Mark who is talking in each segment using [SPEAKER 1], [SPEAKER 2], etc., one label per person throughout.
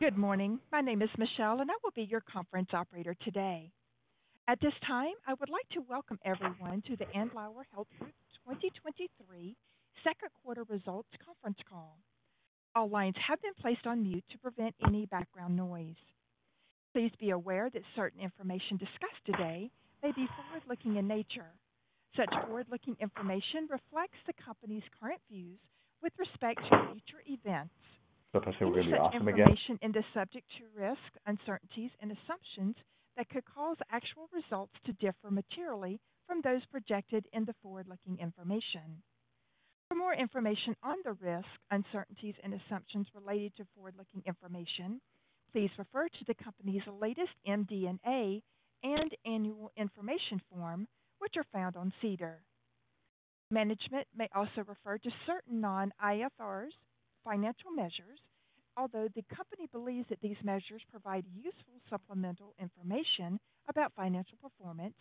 [SPEAKER 1] Good morning. My name is Michelle, and I will be your conference operator today. At this time, I would like to welcome everyone to the Andlauer Healthcare Group 2023 Second Quarter Results Conference Call. All lines have been placed on mute to prevent any background noise. Please be aware that certain information discussed today may be forward-looking in nature. Such forward-looking information reflects the company's current views with respect to future events. ... Such information is subject to risks, uncertainties, and assumptions that could cause actual results to differ materially from those projected in the forward-looking information. For more information on the risks, uncertainties, and assumptions related to forward-looking information, please refer to the company's latest MD&A and Annual Information Form, which are found on SEDAR. Management may also refer to certain non-IFRS financial measures. Although the company believes that these measures provide useful supplemental information about financial performance,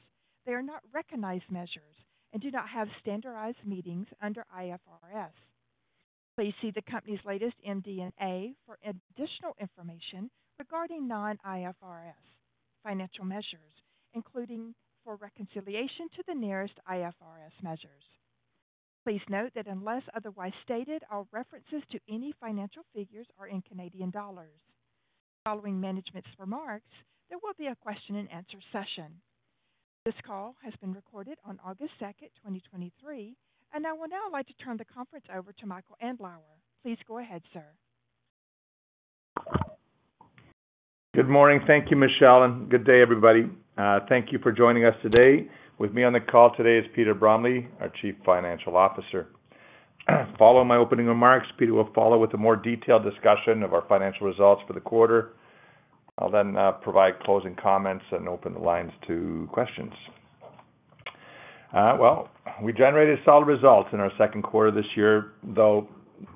[SPEAKER 1] they are not recognized measures and do not have standardized meanings under IFRS. Please see the company's latest MD&A for additional information regarding non-IFRS financial measures, including for reconciliation to the nearest IFRS measures. Please note that unless otherwise stated, all references to any financial figures are in Canadian dollars. Following management's remarks, there will be a question-and-answer session. This call has been recorded on August second, 2023, and I would now like to turn the conference over to Michael Andlauer. Please go ahead, sir.
[SPEAKER 2] Good morning. Thank you, Michelle. Good day, everybody. Thank you for joining us today. With me on the call today is Peter Bromley, our Chief Financial Officer. Following my opening remarks, Peter will follow with a more detailed discussion of our financial results for the quarter. I'll provide closing comments and open the lines to questions. Well, we generated solid results in our second quarter this year, though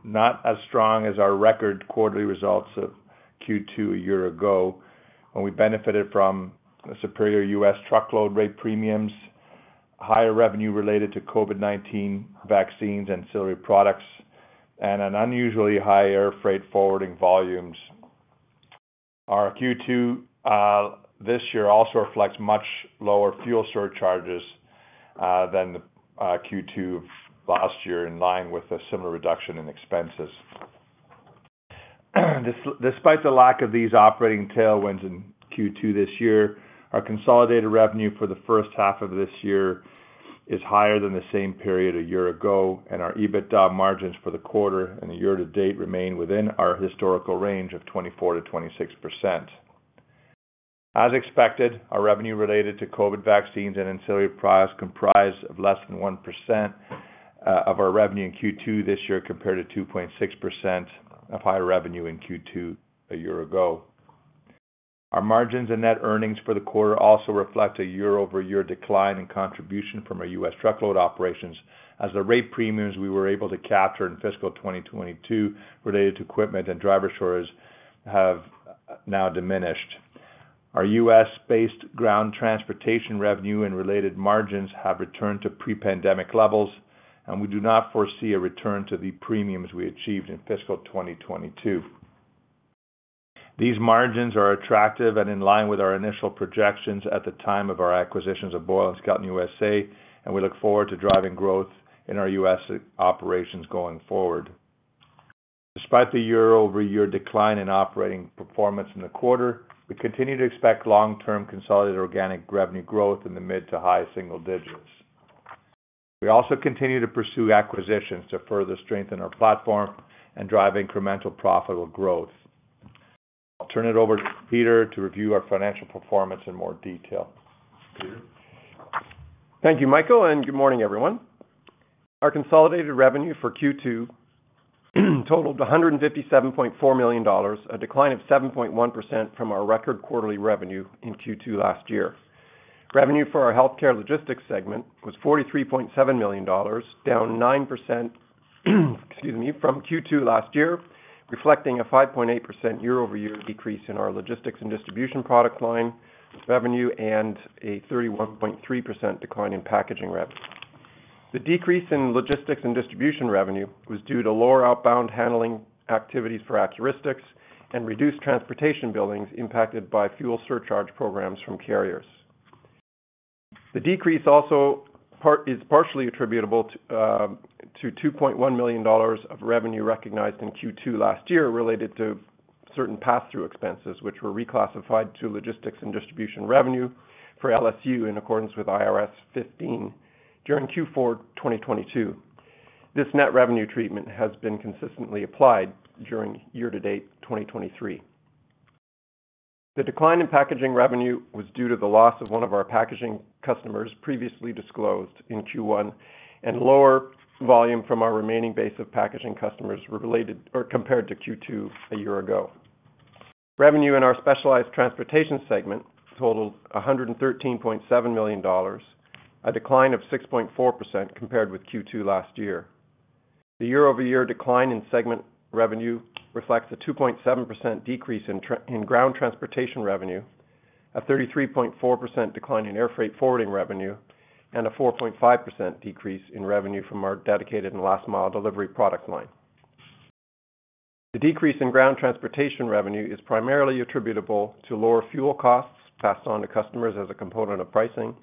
[SPEAKER 2] not as strong as our record quarterly results of Q2 a year ago, when we benefited from superior U.S. truckload rate premiums, higher revenue related to COVID-19 vaccines, ancillary products, and an unusually high air freight forwarding volumes. Our Q2 this year also reflects much lower fuel surcharges than the Q2 of last year, in line with a similar reduction in expenses. Despite the lack of these operating tailwinds in Q2 this year, our consolidated revenue for the first half of this year is higher than the same period a year ago, and our EBITDA margins for the quarter and the year to date remain within our historical range of 24%-26%. As expected, our revenue related to COVID vaccines and ancillary products comprised of less than 1% of our revenue in Q2 this year, compared to 2.6% of higher revenue in Q2 a year ago. Our margins and net earnings for the quarter also reflect a year-over-year decline in contribution from our U.S. truckload operations, as the rate premiums we were able to capture in fiscal 2022 related to equipment and driver shores have now diminished. Our U.S.-based ground transportation revenue and related margins have returned to pre-pandemic levels, and we do not foresee a return to the premiums we achieved in fiscal 2022. These margins are attractive and in line with our initial projections at the time of our acquisitions of Boyle & Skelton USA, and we look forward to driving growth in our U.S. operations going forward. Despite the year-over-year decline in operating performance in the quarter, we continue to expect long-term consolidated organic revenue growth in the mid to high single digits. We also continue to pursue acquisitions to further strengthen our platform and drive incremental profitable growth. I'll turn it over to Peter to review our financial performance in more detail. Peter?
[SPEAKER 3] Thank you, Michael. Good morning, everyone. Our consolidated revenue for Q2 totaled 157.4 million dollars, a decline of 7.1% from our record quarterly revenue in Q2 last year. Revenue for our healthcare logistics segment was 43.7 million dollars, down 9%, excuse me, from Q2 last year, reflecting a 5.8% year-over-year decrease in our logistics and distribution product line revenue and a 31.3% decline in packaging revenue. The decrease in logistics and distribution revenue was due to lower outbound handling activities for Accuristix and reduced transportation billings impacted by fuel surcharge programs from carriers. The decrease also is partially attributable to 2.1 million dollars of revenue recognized in Q2 last year, related to certain passthrough expenses, which were reclassified to logistics and distribution revenue for LSU in accordance with IFRS 15 during Q4 2022. This net revenue treatment has been consistently applied during year-to-date 2023. The decline in packaging revenue was due to the loss of one of our packaging customers previously disclosed in Q1, and lower volume from our remaining base of packaging customers related or compared to Q2 a year ago. Revenue in our specialized transportation segment totaled 113.7 million dollars, a decline of 6.4% compared with Q2 last year. The year-over-year decline in segment revenue reflects a 2.7% decrease in ground transportation revenue.... a 33.4% decline in air freight forwarding revenue, and a 4.5% decrease in revenue from our dedicated and last mile delivery product line. The decrease in ground transportation revenue is primarily attributable to lower fuel costs passed on to customers as a component of pricing.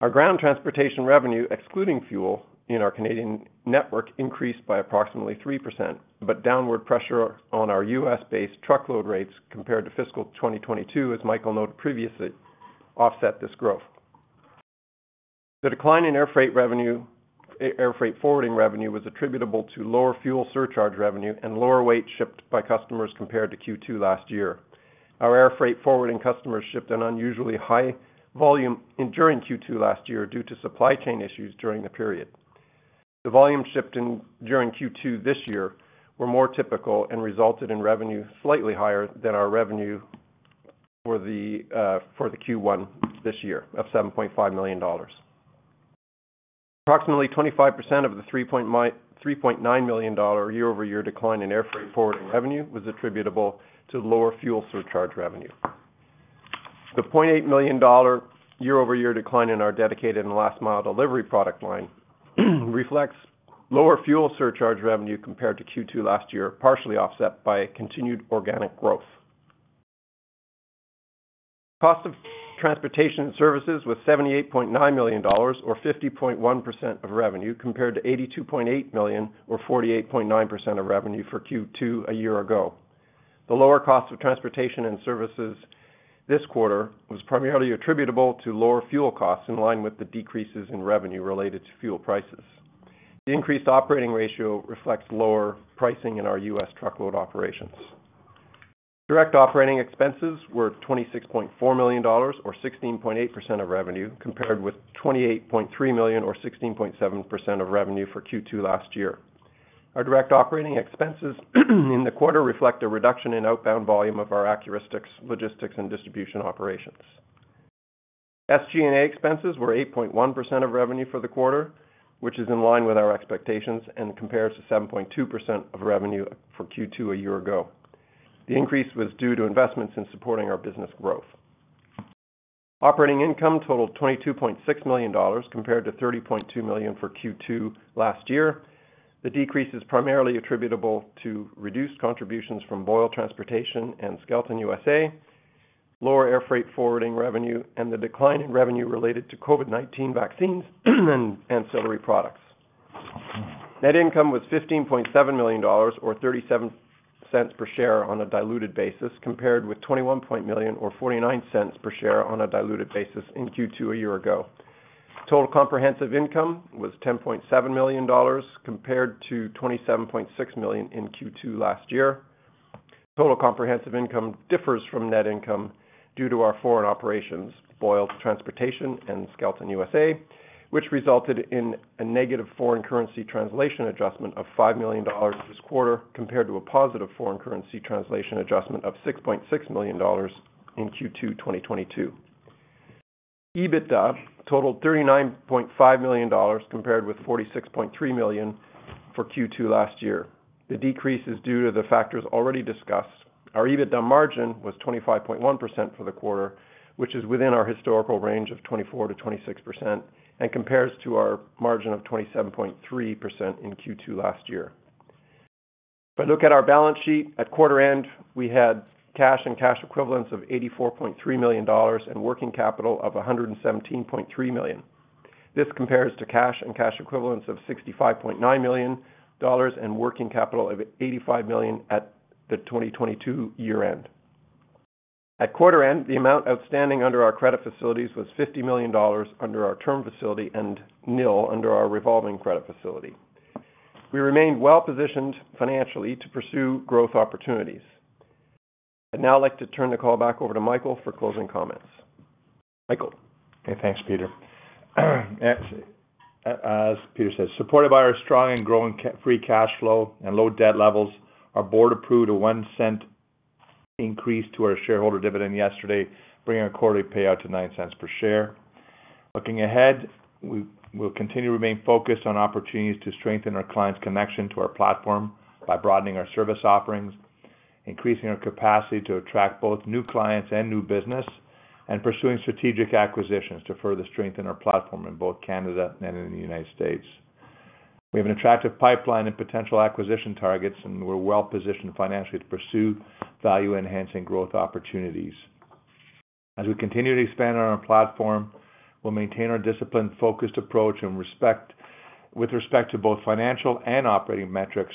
[SPEAKER 3] Our ground transportation revenue, excluding fuel in our Canadian network, increased by approximately 3%. Downward pressure on our U.S.-based truckload rates compared to fiscal 2022, as Michael noted previously, offset this growth. The decline in air freight forwarding revenue was attributable to lower fuel surcharge revenue and lower weight shipped by customers compared to Q2 last year. Our air freight forwarding customers shipped an unusually high volume in during Q2 last year due to supply chain issues during the period. The volume shipped in during Q2 this year were more typical and resulted in revenue slightly higher than our revenue for the Q1 this year of 7.5 million dollars. Approximately 25% of the 3.9 million dollar year-over-year decline in air freight forwarding revenue was attributable to lower fuel surcharge revenue. The 0.8 million dollar year-over-year decline in our dedicated and last mile delivery product line reflects lower fuel surcharge revenue compared to Q2 last year, partially offset by continued organic growth. Cost of transportation services was 78.9 million dollars, or 50.1% of revenue, compared to 82.8 million, or 48.9% of revenue for Q2 a year ago. The lower cost of transportation and services this quarter was primarily attributable to lower fuel costs, in line with the decreases in revenue related to fuel prices. The increased operating ratio reflects lower pricing in our U.S. truckload operations. Direct operating expenses were 26.4 million dollars, or 16.8% of revenue, compared with 28.3 million or 16.7% of revenue for Q2 last year. Our direct operating expenses, in the quarter reflect a reduction in outbound volume of our Accuristix logistics and distribution operations. SG&A expenses were 8.1% of revenue for the quarter, which is in line with our expectations and compares to 7.2% of revenue for Q2 a year ago. The increase was due to investments in supporting our business growth. Operating income totaled $22.6 million, compared to $30.2 million for Q2 last year. The decrease is primarily attributable to reduced contributions from Boyle Transportation and Skelton USA, lower air freight forwarding revenue, and the decline in revenue related to COVID-19 vaccines and ancillary products. Net income was $15.7 million, or $0.37 per share on a diluted basis, compared with $21.0 million or $0.49 per share on a diluted basis in Q2 a year ago. Total comprehensive income was $10.7 million, compared to $27.6 million in Q2 last year. Total comprehensive income differs from net income due to our foreign operations, Boyle Transportation and Skelton USA, which resulted in a negative foreign currency translation adjustment of $5 million this quarter, compared to a positive foreign currency translation adjustment of $6.6 million in Q2 2022. EBITDA totaled $39.5 million, compared with $46.3 million for Q2 last year. The decrease is due to the factors already discussed. Our EBITDA margin was 25.1% for the quarter, which is within our historical range of 24%-26% and compares to our margin of 27.3% in Q2 last year. If I look at our balance sheet, at quarter end, we had cash and cash equivalents of $84.3 million and working capital of $117.3 million. This compares to cash and cash equivalents of 65.9 million dollars and working capital of 85 million at the 2022 year end. At quarter end, the amount outstanding under our credit facilities was 50 million dollars under our term facility and nil under our revolving credit facility. We remain well-positioned financially to pursue growth opportunities. I'd now like to turn the call back over to Michael for closing comments. Michael?
[SPEAKER 2] Okay, thanks, Peter. As, as Peter said, supported by our strong and growing free cash flow and low debt levels, our board approved a 0.01 increase to our shareholder dividend yesterday, bringing our quarterly payout to 0.09 per share. Looking ahead, we'll continue to remain focused on opportunities to strengthen our clients' connection to our platform by broadening our service offerings, increasing our capacity to attract both new clients and new business, and pursuing strategic acquisitions to further strengthen our platform in both Canada and in the United States. We have an attractive pipeline and potential acquisition targets, and we're well-positioned financially to pursue value-enhancing growth opportunities. As we continue to expand on our platform, we'll maintain our disciplined, focused approach and respect, with respect to both financial and operating metrics,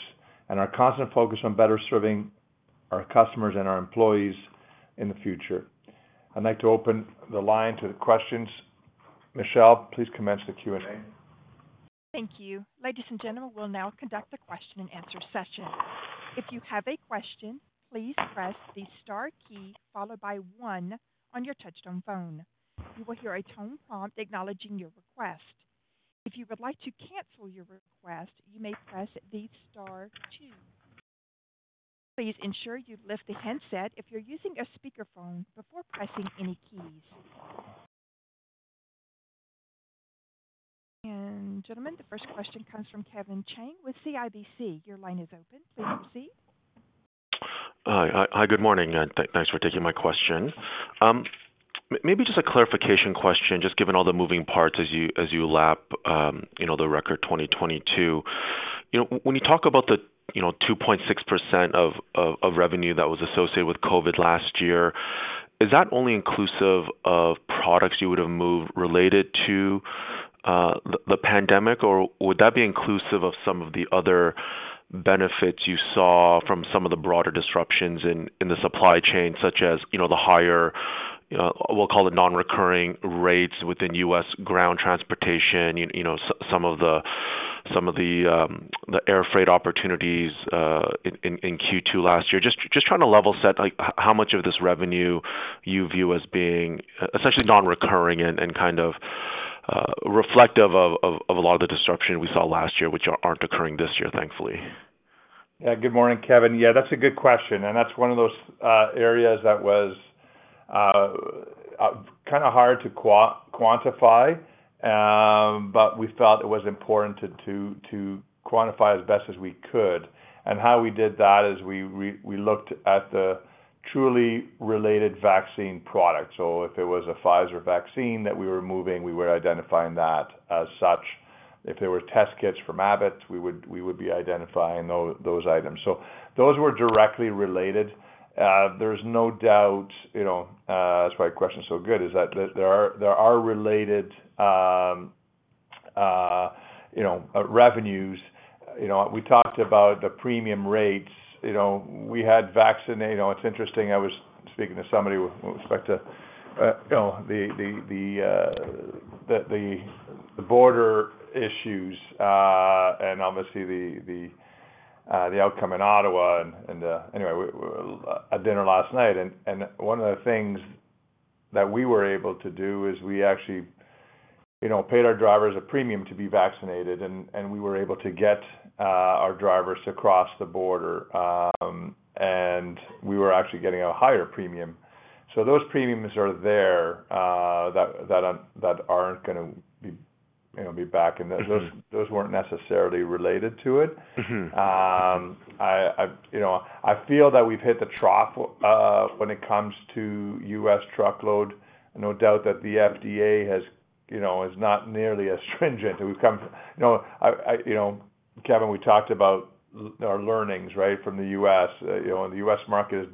[SPEAKER 2] and our constant focus on better serving our customers and our employees in the future. I'd like to open the line to the questions. Michelle, please commence the Q&A.
[SPEAKER 1] Thank you. Ladies and gentlemen, we'll now conduct a question and answer session. If you have a question, please press the star key followed by one on your touchtone phone. You will hear a tone prompt acknowledging your request. If you would like to cancel your request, you may press the star two. Please ensure you lift the handset if you're using a speakerphone before pressing any keys. Gentlemen, the first question comes from Kevin Chiang with CIBC. Your line is open. Please proceed.
[SPEAKER 4] Hi, hi, hi, good morning, and thanks for taking my question. Maybe just a clarification question, just given all the moving parts as you, as you lap, you know, the record 2022. You know, when you talk about the, you know, 2.6% of, of, of revenue that was associated with COVID last year, is that only inclusive of products you would have moved related to the pandemic, or would that be inclusive of some of the other benefits you saw from some of the broader disruptions in the supply chain, such as, you know, the higher, we'll call it non-recurring rates within U.S. ground transportation, you know, some of the, some of the airfreight opportunities in Q2 last year? Just trying to level set, like, how much of this revenue you view as being, essentially non-recurring and kind of, reflective of a lot of the disruption we saw last year, which aren't occurring this year, thankfully.
[SPEAKER 2] Yeah. Good morning, Kevin. Yeah, that's a good question, and that's one of those areas that was kind of hard to qua-quantify. But we felt it was important to, to, to quantify as best as we could. How we did that is we, we, we looked at the truly related vaccine products. If it was a Pfizer vaccine that we were moving, we were identifying that as such. If there were test kits from Abbott, we would, we would be identifying tho-those items. Those were directly related. There's no doubt, you know, that's why your question is so good, is that there, there are, there are related, you know, revenues. You know, we talked about the premium rates. You know, we had vaccine... You know, it's interesting, I was speaking to somebody with respect to, you know, the, the, the, the, the border issues, and obviously the, the, the outcome in Ottawa and, and... Anyway, at dinner last night, and one of the things that we were able to do is we actually, you know, paid our drivers a premium to be vaccinated, and we were able to get our drivers across the border, and we were actually getting a higher premium. So those premiums are there, that are, that aren't gonna be, you know, be back, and those, those weren't necessarily related to it.
[SPEAKER 4] Mm-hmm.
[SPEAKER 2] I, I, you know, I feel that we've hit the trough when it comes to U.S. truckload. No doubt that the FDA has, you know, is not nearly as stringent. We've come, you know, I, I... You know, Kevin, we talked about our learnings, right, from the U.S. You know, the U.S. market is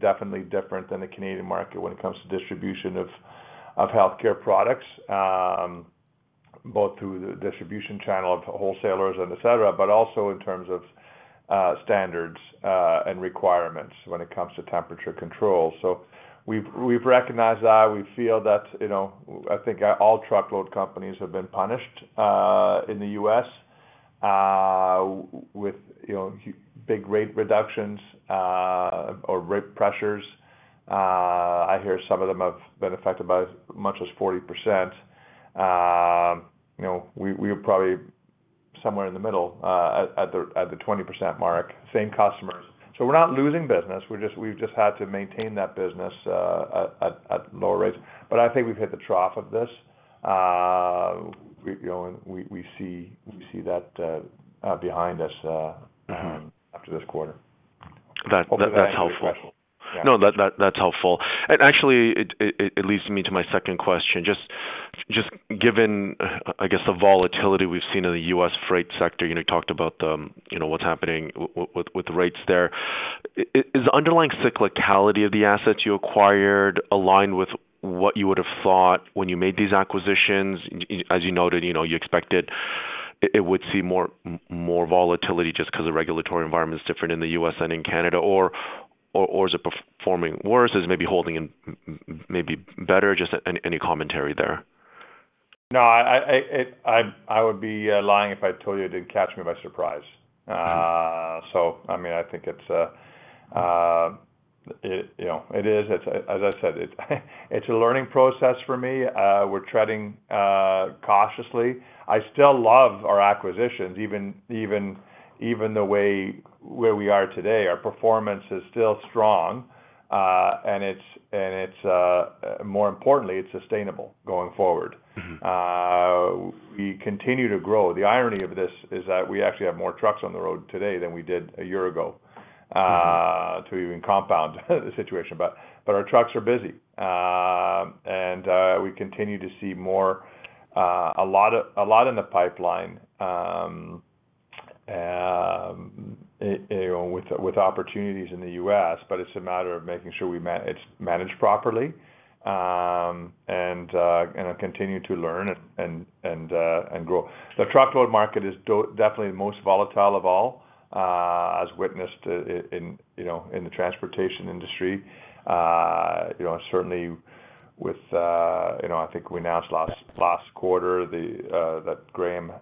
[SPEAKER 2] definitely different than the Canadian market when it comes to distribution of, of healthcare products, both through the distribution channel of wholesalers and et cetera, but also in terms of standards and requirements when it comes to temperature control. We've, we've recognized that. We feel that, you know, I think all truckload companies have been punished in the U.S. with, you know, big rate reductions or rate pressures. I hear some of them have been affected by as much as 40%. You know, we, we are probably somewhere in the middle, at the, at the 20% mark, same customers. We're not losing business. We're just- we've just had to maintain that business, at, at, at lower rates. I think we've hit the trough of this. We, you know, and we, we see, we see that, behind us.
[SPEAKER 4] Mm-hmm.
[SPEAKER 2] After this quarter.
[SPEAKER 4] That, that's helpful.
[SPEAKER 2] Yeah.
[SPEAKER 4] No, that, that, that's helpful. Actually, it, it, it leads me to my second question. Just, just given, I guess, the volatility we've seen in the U.S. freight sector, you know, talked about the, you know, what's happening with, with the rates there. Is the underlying cyclicality of the assets you acquired aligned with what you would have thought when you made these acquisitions? As you noted, you know, you expected it, it would see more, more volatility just because the regulatory environment is different in the U.S. than in Canada, or, or, or is it performing worse? Is maybe holding in maybe better? Just any, any commentary there.
[SPEAKER 2] No, I would be lying if I told you it didn't catch me by surprise.
[SPEAKER 4] Mm-hmm.
[SPEAKER 3] I mean, I think it's, you know, it is. It's, as I said, it's a learning process for me. We're treading cautiously. I still love our acquisitions, even, even, even the way where we are today. Our performance is still strong, and it's, more importantly, it's sustainable going forward.
[SPEAKER 4] Mm-hmm.
[SPEAKER 3] We continue to grow. The irony of this is that we actually have more trucks on the road today than we did a year ago.
[SPEAKER 4] Mm-hmm...
[SPEAKER 3] to even compound the situation. Our trucks are busy. We continue to see more, a lot of, a lot in the pipeline, you know, with opportunities in the U.S., but it's a matter of making sure we it's managed properly, and continue to learn and grow. The truckload market is definitely the most volatile of all, as witnessed in, you know, in the transportation industry. You know, certainly with, you know, I think we announced last, last quarter, that Graham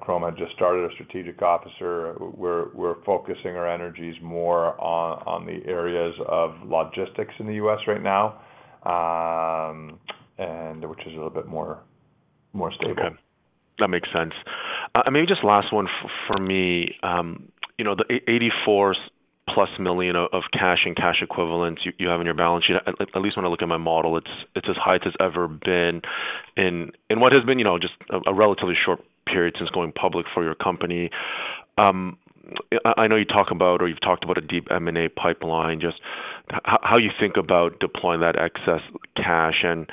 [SPEAKER 3] Cromb just started a Chief Strategy Officer. We're focusing our energies more on, on the areas of logistics in the U.S. right now, and which is a little bit more, more stable.
[SPEAKER 4] Okay. That makes sense. Maybe just last one for me, you know, the 84+ million of cash and cash equivalents you have on your balance sheet. At least when I look at my model, it's as high as it's ever been in what has been, you know, just a relatively short period since going public for your company. I know you talk about or you've talked about a deep M&A pipeline, just how you think about deploying that excess cash? You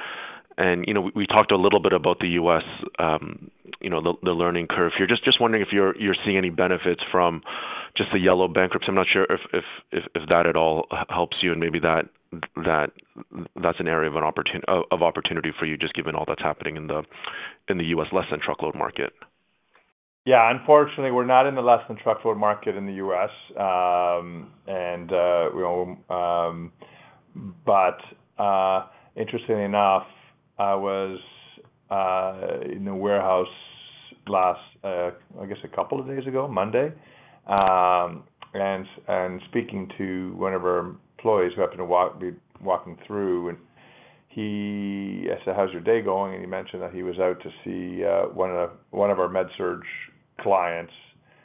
[SPEAKER 4] know, we talked a little bit about the U.S., you know, the learning curve here. Just wondering if you're seeing any benefits from just the Yellow bankruptcy. I'm not sure if that at all helps you. Maybe that's an area of an opportunity for you, just given all that's happening in the, in the U.S. less-than-truckload market.
[SPEAKER 3] Yeah, unfortunately, we're not in the less-than-truckload market in the U.S. You know, but, interestingly enough, I was in the warehouse last, I guess a couple of days ago, Monday. Speaking to one of our employees who happened to walk, be walking through, and he... I said: "How's your day going?" He mentioned that he was out to see, one of, one of our med-surg clients.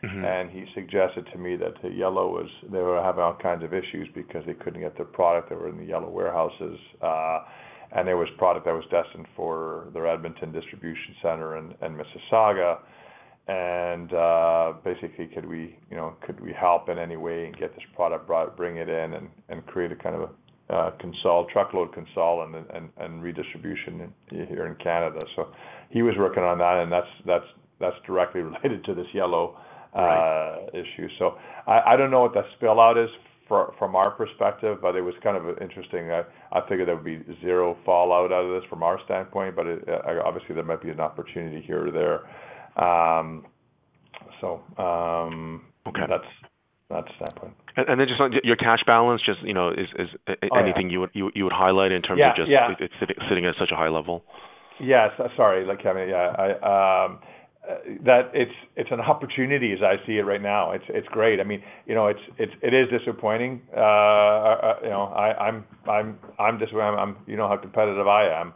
[SPEAKER 4] Mm-hmm.
[SPEAKER 3] He suggested to me that the Yellow was, they were having all kinds of issues because they couldn't get their product that were in the Yellow warehouses. There was product that was destined for their Edmonton Distribution Center in, in Mississauga, and, basically, could we, you know, could we help in any way and get this product brought, bring it in and, and create a kind of, consult, truckload consult and, and, and redistribution in, here in Canada. He was working on that, and that's, that's, that's directly related to this Yellow.
[SPEAKER 4] Right.
[SPEAKER 3] issue. I, I don't know what the spill out is from, from our perspective, but it was kind of interesting. I, I figured there would be zero fallout out of this from our standpoint, but it, obviously, there might be an opportunity here or there.
[SPEAKER 4] Okay.
[SPEAKER 3] That's, that's that one.
[SPEAKER 4] and then just on your, your cash balance, just, you know, is...
[SPEAKER 3] Oh, yeah.
[SPEAKER 4] anything you would, you, you would highlight in terms of?
[SPEAKER 3] Yeah, yeah.
[SPEAKER 4] sitting, sitting at such a high level?
[SPEAKER 3] Yes, sorry, like, Kevin, yeah. I, that it's, it's an opportunity as I see it right now. It's, it's great. I mean, you know, it's, it's, it is disappointing. You know, I, I'm, I'm, I'm just where I'm. You know how competitive I am,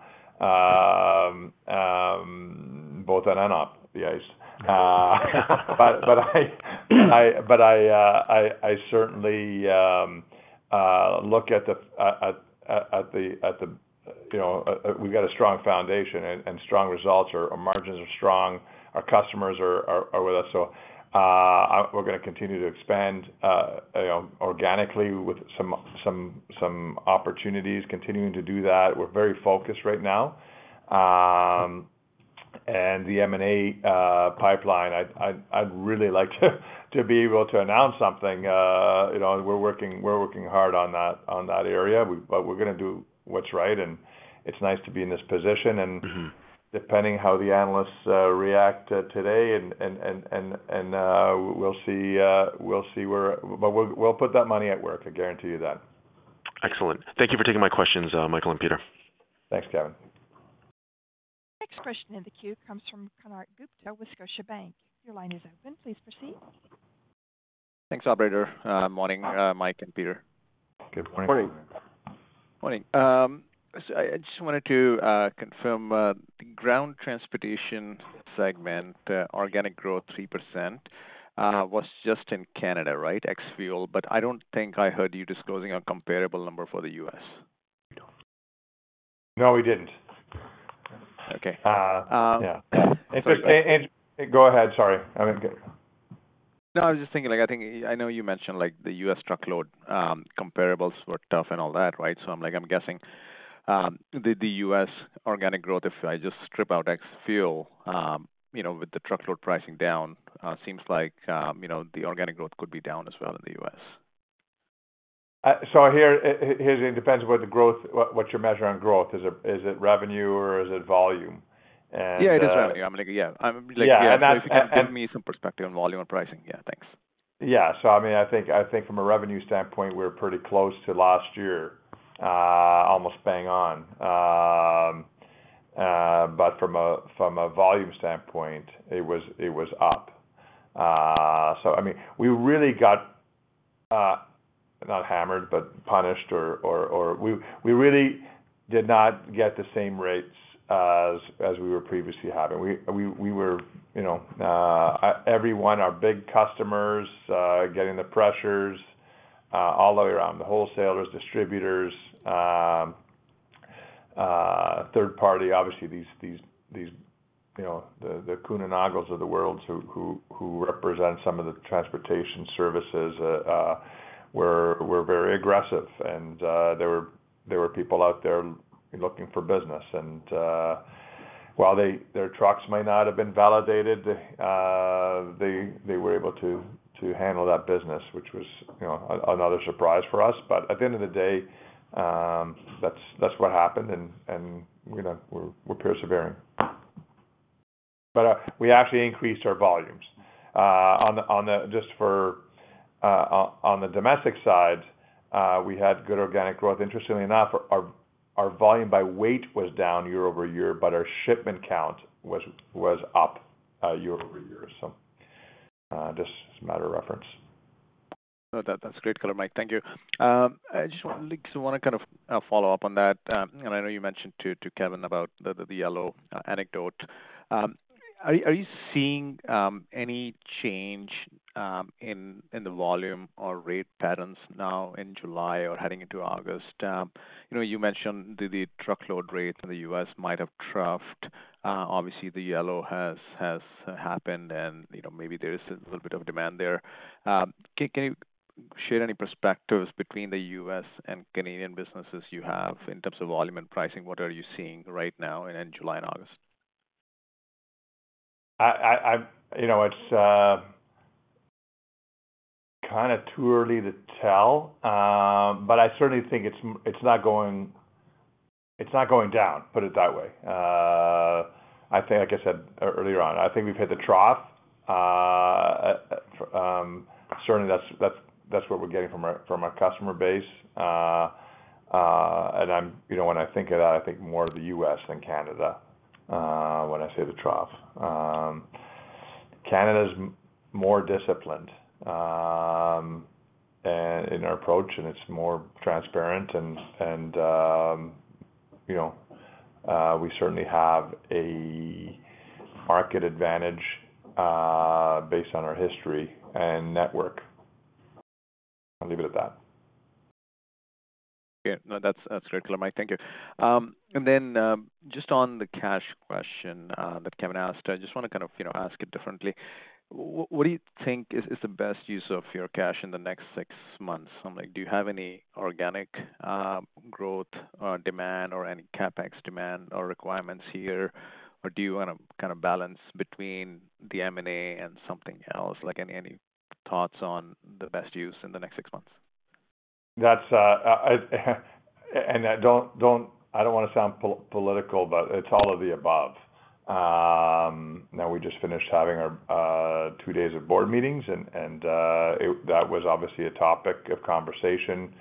[SPEAKER 3] both on and off the ice. But I, I, but I, I, I certainly look at the, at, at, at the, at the, you know, we've got a strong foundation and, and strong results. Our, our margins are strong. Our customers are, are, are with us, so we're gonna continue to expand, you know, organically with some, some, some opportunities continuing to do that. We're very focused right now. The M&A pipeline, I'd really like to be able to announce something, you know, we're working, we're working hard on that, on that area. We're gonna do what's right, and it's nice to be in this position.
[SPEAKER 4] Mm-hmm.
[SPEAKER 3] depending how the analysts react today, and we'll see, we'll see where. We'll, we'll put that money at work, I guarantee you that.
[SPEAKER 4] Excellent. Thank you for taking my questions, Michael and Peter.
[SPEAKER 2] Thanks, Kevin.
[SPEAKER 1] Next question in the queue comes from Konark Gupta with Scotiabank. Your line is open. Please proceed.
[SPEAKER 5] Thanks, operator. Morning, Mike and Peter.
[SPEAKER 2] Good morning.
[SPEAKER 4] Morning.
[SPEAKER 5] Morning. I just wanted to confirm the ground transportation segment organic growth 3% was just in Canada, right? Ex fuel, but I don't think I heard you disclosing a comparable number for the U.S.
[SPEAKER 2] No, we didn't.
[SPEAKER 5] Okay.
[SPEAKER 2] Uh.
[SPEAKER 5] Um-
[SPEAKER 2] Yeah. And, and go ahead, sorry. I mean, go.
[SPEAKER 5] No, I was just thinking, like, I think I know you mentioned, like, the U.S. truckload comparables were tough and all that, right? I'm like, I'm guessing the, the U.S. organic growth, if I just strip out ex fuel, you know, with the truckload pricing down, seems like, you know, the organic growth could be down as well in the U.S.
[SPEAKER 2] I hear, it depends what the growth, what's your measure on growth. Is it revenue or is it volume?
[SPEAKER 5] Yeah, it is revenue. I'm like, yeah, I'm like, yeah.
[SPEAKER 2] Yeah, and...
[SPEAKER 5] Give me some perspective on volume and pricing. Yeah, thanks.
[SPEAKER 2] Yeah. I mean, I think, I think from a revenue standpoint, we're pretty close to last year, almost bang on. From a volume standpoint, it was up. I mean, we really got not hammered, but punished or we really did not get the same rates as we were previously having. We were, you know, everyone, our big customers, getting the pressures all the way around, the wholesalers, distributors, third party, obviously, these, you know, the Coonamans of the world who represent some of the transportation services were very aggressive and there were people out there looking for business. While their trucks may not have been validated, they were able to handle that business, which was, you know, another surprise for us. At the end of the day, that's what happened, and, you know, we're persevering. We actually increased our volumes. On the domestic side, we had good organic growth. Interestingly enough, our volume by weight was down year-over-year, but our shipment count was up year-over-year. Just as a matter of reference.
[SPEAKER 5] No, that, that's great, color, Mike. Thank you. I just want to kind of follow up on that. I know you mentioned to Kevin about the Yellow anecdote. Are you seeing any change in the volume or rate patterns now in July or heading into August? You know, you mentioned the truckload rate in the U.S. might have troughed. Obviously the Yellow has happened and, you know, maybe there is a little bit of demand there. Can you share any perspectives between the U.S. and Canadian businesses you have in terms of volume and pricing? What are you seeing right now in July and August?
[SPEAKER 2] I, I, I You know, it's kind of too early to tell. I certainly think it's it's not going, it's not going down, put it that way. I think, like I said earlier on, I think we've hit the trough. Certainly, that's, that's, that's what we're getting from our, from our customer base. I'm you know, when I think of that, I think more of the U.S. than Canada, when I say the trough. Canada's more disciplined, and in our approach, and it's more transparent and, you know, we certainly have a market advantage, based on our history and network. I'll leave it at that.
[SPEAKER 5] Yeah. No, that's, that's great, color, Mike. Thank you. Just on the cash question that Kevin asked, I just want to kind of, you know, ask it differently. What do you think is the best use of your cash in the next six months? Like, do you have any organic growth or demand or any CapEx demand or requirements here? Do you want to kind of balance between the M&A and something else? Like, any thoughts on the best use in the next six months?
[SPEAKER 2] That's, I, and I don't I don't want to sound political, but it's all of the above. We just finished having our two days of board meetings, and, and, it that was obviously a topic of conversation.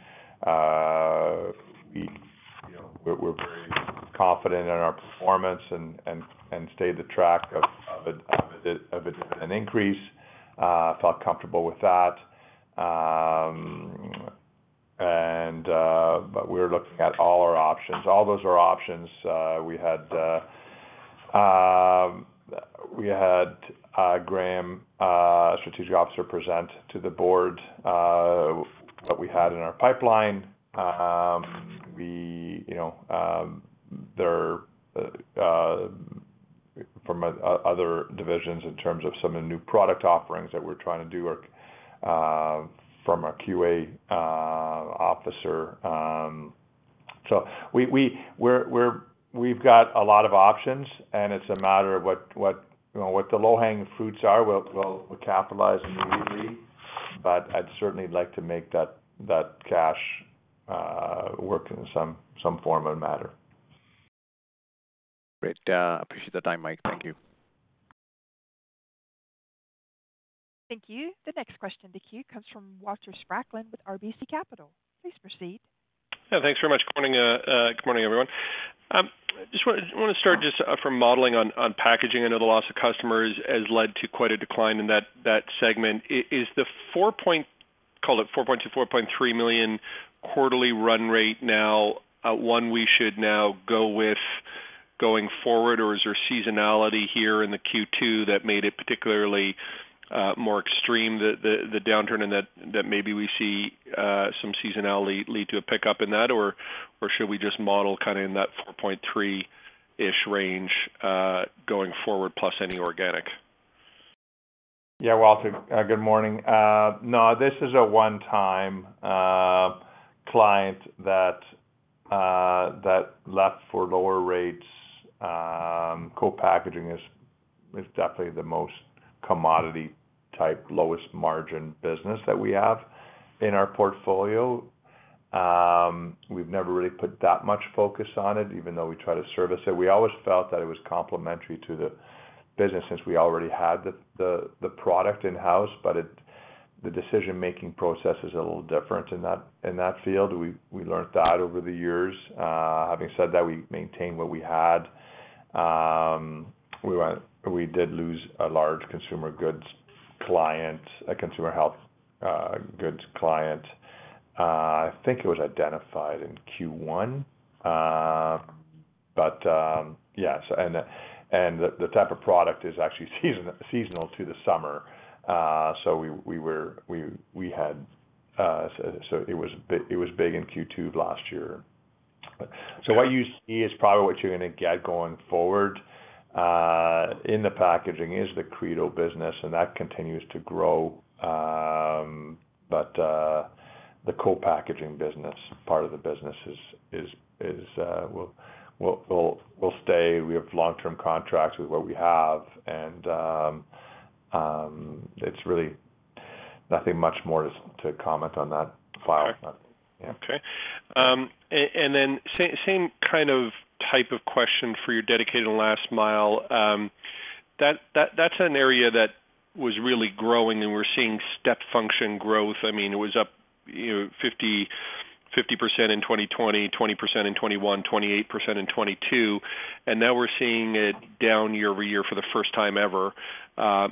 [SPEAKER 2] We, you know, we're, we're very confident in our performance and, and, and stayed the track of, of a, of a dividend increase, felt comfortable with that. We're looking at all our options. All those are options. We had, we had, Graham, strategic officer, present to the board, what we had in our pipeline. We, you know, there, from other divisions in terms of some of the new product offerings that we're trying to do, or, from a QA, officer. We, we, we're, we're, we've got a lot of options, and it's a matter of what, what, you know, what the low-hanging fruits are, we'll, we'll capitalize and move we. I'd certainly like to make that, that cash work in some, some form or matter.
[SPEAKER 5] Great. Appreciate the time, Mike. Thank you.
[SPEAKER 1] Thank you. The next question in the queue comes from Walter Spracklin with RBC Capital. Please proceed.
[SPEAKER 6] Yeah, thanks very much. Good morning, good morning, everyone. Just wanna, wanna start just from modeling on, on packaging. I know the loss of customers has led to quite a decline in that, that segment. Is the call it $4.0 million to $4.3 million quarterly run rate now, one we should now go with going forward, or is there seasonality here in the Q2 that made it particularly more extreme, the, the, the downturn, and that, that maybe we see some seasonality lead to a pickup in that? Or, or should we just model kind of in that $4.3-ish range, going forward, plus any organic?
[SPEAKER 2] Yeah, Walter, good morning. No, this is a one-time client that that left for lower rates. Co-packaging is, is definitely the most commodity-type, lowest margin business that we have in our portfolio. We've never really put that much focus on it, even though we try to service it. We always felt that it was complementary to the business since we already had the, the, the product in-house, but the decision-making process is a little different in that, in that field. We, we learned that over the years. Having said that, we maintained what we had. We did lose a large consumer goods client, a consumer health goods client. I think it was identified in Q1. Yes, and the type of product is actually seasonal to the summer. We had. It was big in Q2 last year. What you see is probably what you're gonna get going forward, in the packaging, is the Crēdo business, and that continues to grow. The co-packaging business, part of the business is, will stay. We have long-term contracts with what we have, and it's really nothing much more to comment on that file.
[SPEAKER 6] Okay.
[SPEAKER 2] Yeah.
[SPEAKER 6] Then same kind of type of question for your dedicated and last mile. That's an area that was really growing, and we're seeing step function growth. I mean, it was up, you know, 50% in 2020, 20% in 2021, 28% in 2022, and now we're seeing it down year-over-year for the first time ever. Are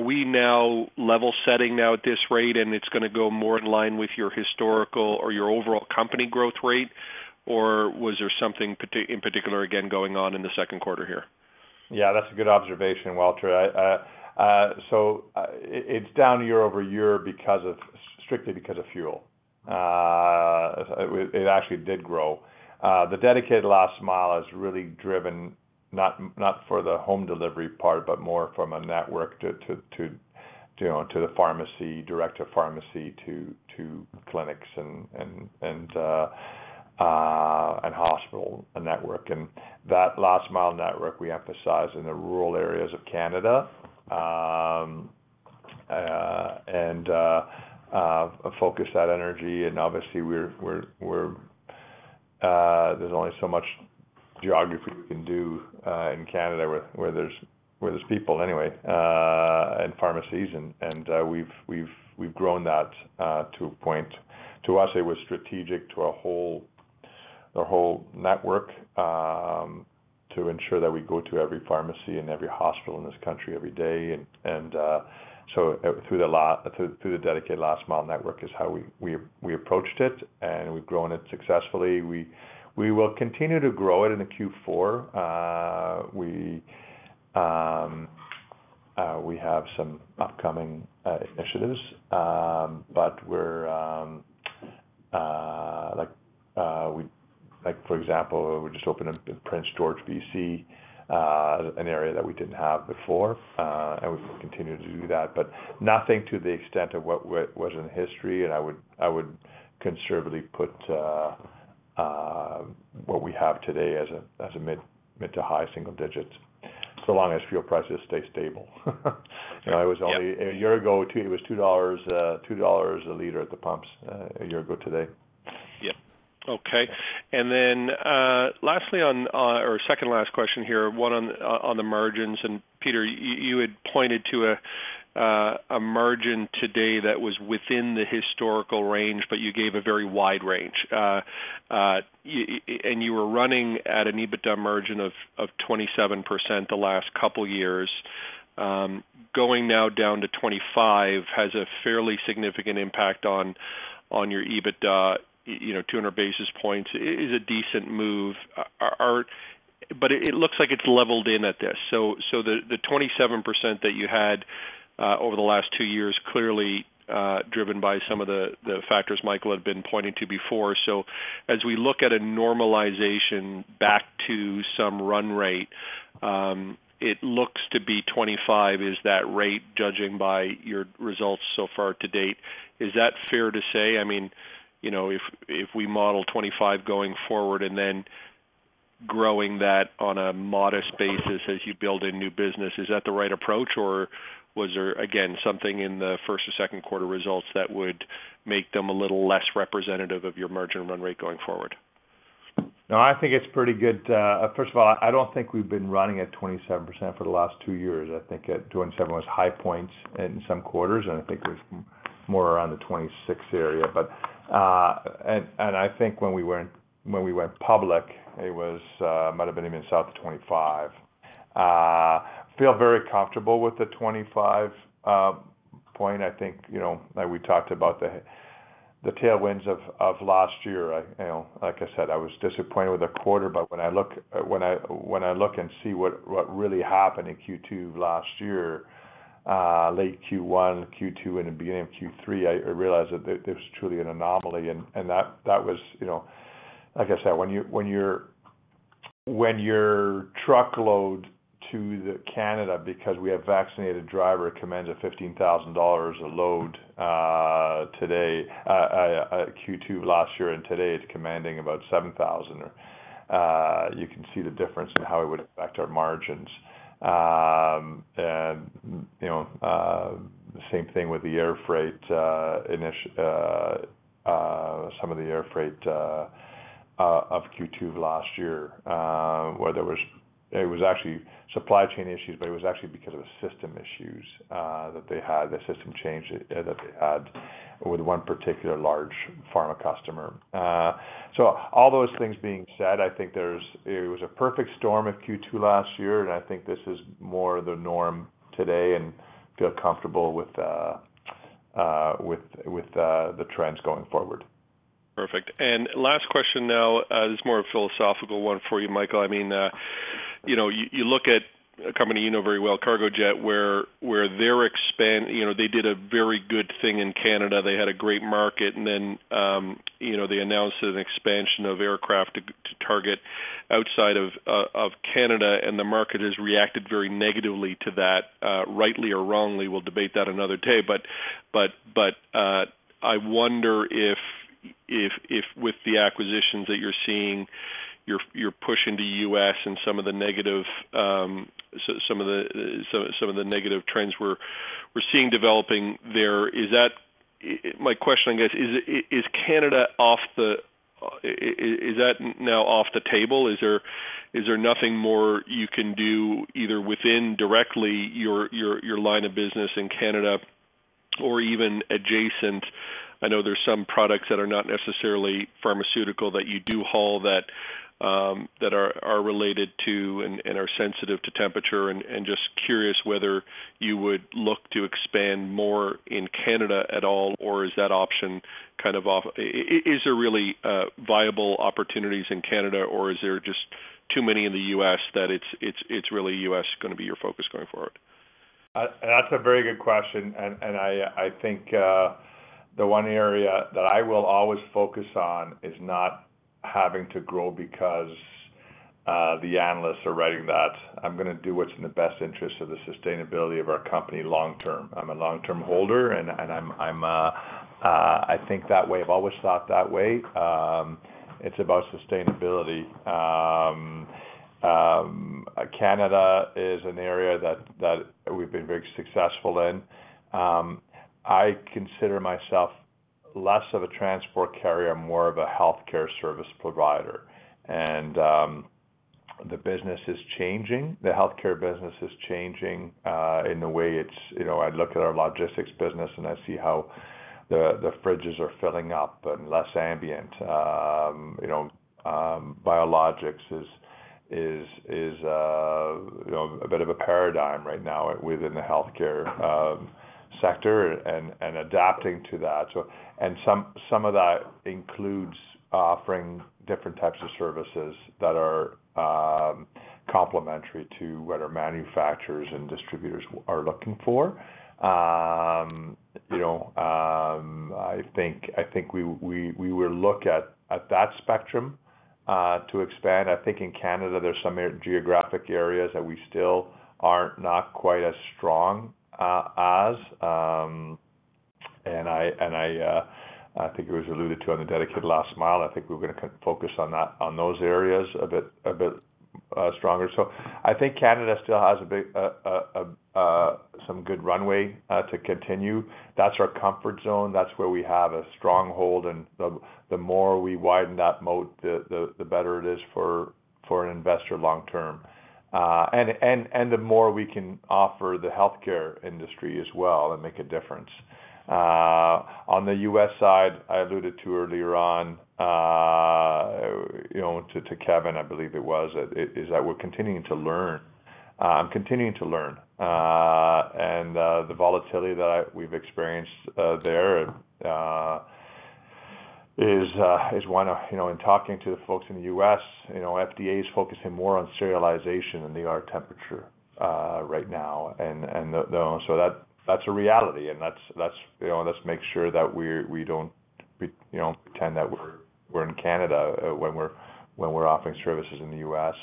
[SPEAKER 6] we now level setting now at this rate, and it's gonna go more in line with your historical or your overall company growth rate? Or was there something in particular, again, going on in the second quarter here?
[SPEAKER 2] Yeah, that's a good observation, Walter. I, so, it, it's down year-over-year because of-- strictly because of fuel. It, it actually did grow. The dedicated last mile is really driven not, not for the home delivery part, but more from a network to, to, to, you know, to the pharmacy, direct to pharmacy, to, to clinics and, and, and, and hospital network. That last mile network, we emphasize in the rural areas of Canada, and focus that energy. Obviously, we're, we're, we're, there's only so much geography we can do, in Canada, where, where there's, where there's people anyway, and pharmacies. We've, we've, we've grown that, to a point. To us, it was strategic to our whole, the whole network, to ensure that we go to every pharmacy and every hospital in this country, every day. Through the dedicated last mile network is how we approached it, and we've grown it successfully. We will continue to grow it in the Q4. We have some upcoming initiatives, but we're like, for example, we just opened up in Prince George, BC, an area that we didn't have before, and we continue to do that, but nothing to the extent of what was, was in history. I would conservatively put what we have today as a mid to high single digits, so long as fuel prices stay stable. You know, it was only-
[SPEAKER 6] Yeah.
[SPEAKER 2] A year ago, it was $2, $2 a liter at the pumps, a year ago today.
[SPEAKER 6] Yeah. Okay. Then, lastly on, or second last question here, one on, on the margins. Peter, you, you had pointed to a margin today that was within the historical range, but you gave a very wide range. You were running at an EBITDA margin of 27% the last couple of years. Going now down to 25 has a fairly significant impact on your EBITDA. You know, 200 basis points is a decent move. It looks like it's leveled in at this. The 27% that you had over the last two years, clearly driven by some of the factors Michael had been pointing to before. As we look at a normalization back to some run rate, it looks to be 25. Is that rate, judging by your results so far to date, is that fair to say? I mean, you know, if, if we model 25 going forward, and then growing that on a modest basis as you build a new business, is that the right approach? Was there, again, something in the first or second quarter results that would make them a little less representative of your margin run rate going forward?
[SPEAKER 2] No, I think it's pretty good. First of all, I don't think we've been running at 27% for the last 2 years. I think at 27 was high points in some quarters, and I think it was more around the 26 area. I think when we went, when we went public, it was, might have been even south of 25. Feel very comfortable with the 25 point. I think, you know, like we talked about the tailwinds of last year. I, you know, like I said, I was disappointed with the quarter, but when I look, when I, when I look and see what, what really happened in Q2 last year, late Q1, Q2, and the beginning of Q3, I, I realized that this was truly an anomaly. That, that was, you know, like I said, when your truckload to the Canada, because we have vaccinated driver, commands 15,000 dollars a load today, Q2 last year, and today, it's commanding about 7,000. You can see the difference in how it would affect our margins. And, you know, the same thing with the air freight, some of the air freight of Q2 last year, where it was actually supply chain issues, but it was actually because of the system issues that they had, the system change that they had with one particular large pharma customer. All those things being said, I think it was a perfect storm of Q2 last year, and I think this is more the norm today, and feel comfortable with the, with, with, the trends going forward.
[SPEAKER 6] Perfect. Last question now, this is more a philosophical one for you, Michael. I mean, you know, you, you look at a company you know very well, Cargojet, where, where they're you know, they did a very good thing in Canada. They had a great market, and then, you know, they announced an expansion of aircraft to, to target outside of Canada, and the market has reacted very negatively to that, rightly or wrongly. We'll debate that another day. I wonder if, if, if with the acquisitions that you're seeing, you're, you're pushing the U.S. and some of the negative trends we're, we're seeing developing there. My question, I guess, is, is Canada off the table? Is there, is there nothing more you can do either within directly your, your, your line of business in Canada or even adjacent? I know there's some products that are not necessarily pharmaceutical that you do haul that, that are, are related to and, and are sensitive to temperature, and, and just curious whether you would look to expand more in Canada at all, or is that option kind of off? Is there really viable opportunities in Canada, or is there just too many in the U.S. that it's, it's, it's really U.S. gonna be your focus going forward?
[SPEAKER 2] That's a very good question, and I, I think the one area that I will always focus on is not having to grow because the analysts are writing that. I'm gonna do what's in the best interest of the sustainability of our company long term. I'm a long-term holder, and I'm, I'm, I think that way. I've always thought that way. It's about sustainability. Canada is an area that, that we've been very successful in. I consider myself less of a transport carrier and more of a healthcare service provider. The business is changing. The healthcare business is changing, in the way it's-- you know, I look at our logistics business, and I see how the, the fridges are filling up and less ambient. You know, biologics is, is, is, you know, a bit of a paradigm right now within the healthcare sector and, and adapting to that. And some, some of that includes offering different types of services that are complementary to what our manufacturers and distributors are looking for. You know, I think, I think we, we, we will look at, at that spectrum to expand. I think in Canada, there's some geographic areas that we still are not quite as strong as. I, and I, I think it was alluded to on the dedicated last mile. I think we're gonna focus on that, on those areas a bit, a bit stronger. I think Canada still has a big, some good runway to continue. That's our comfort zone. That's where we have a stronghold, and the, the more we widen that moat, the, the, the better it is for, for an investor long term. And, and the more we can offer the healthcare industry as well and make a difference. On the U.S. side, I alluded to earlier on, you know, to, to Kevin, I believe it was, is that we're continuing to learn. I'm continuing to learn. The volatility that we've experienced, there, is, is one of. You know, in talking to the folks in the U.S., you know, FDA is focusing more on serialization than they are temperature, right now. The, you know, so that, that's a reality, and that's, that's, you know, let's make sure that we're, we don't, we, you know, pretend that we're, we're in Canada, when we're, when we're offering services in the U.S.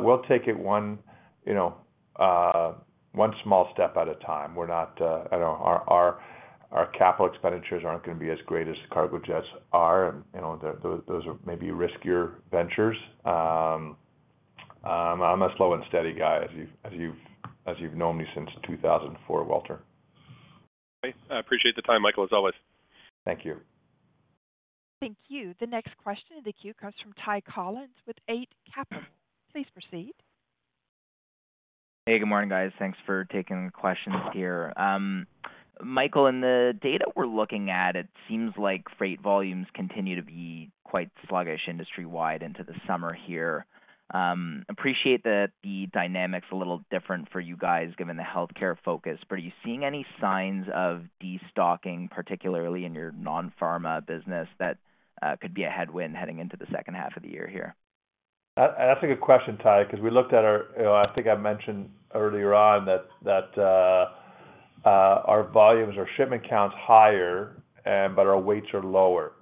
[SPEAKER 2] We'll take it one, you know, one small step at a time. We're not, I don't know, our, our, our capital expenditures aren't gonna be as great as Cargojet's are, and, you know, those, those are maybe riskier ventures. I'm a slow and steady guy, as you've, as you've, as you've known me since 2004, Walter.
[SPEAKER 6] Great. I appreciate the time, Michael, as always.
[SPEAKER 2] Thank you.
[SPEAKER 1] Thank you. The next question in the queue comes from Ty Collin with Eight Capital. Please proceed.
[SPEAKER 7] Hey, good morning, guys. Thanks for taking the questions here. Michael, in the data we're looking at, it seems like freight volumes continue to be quite sluggish industry-wide into the summer here. appreciate that the dynamic's a little different for you guys, given the healthcare focus, but are you seeing any signs of destocking, particularly in your non-pharma business, that could be a headwind heading into the second half of the year here?
[SPEAKER 2] That's a good question, Ty, 'cause we looked at our. You know, I think I mentioned earlier on that, that, our volumes, our shipment count's higher, but our weights are lower.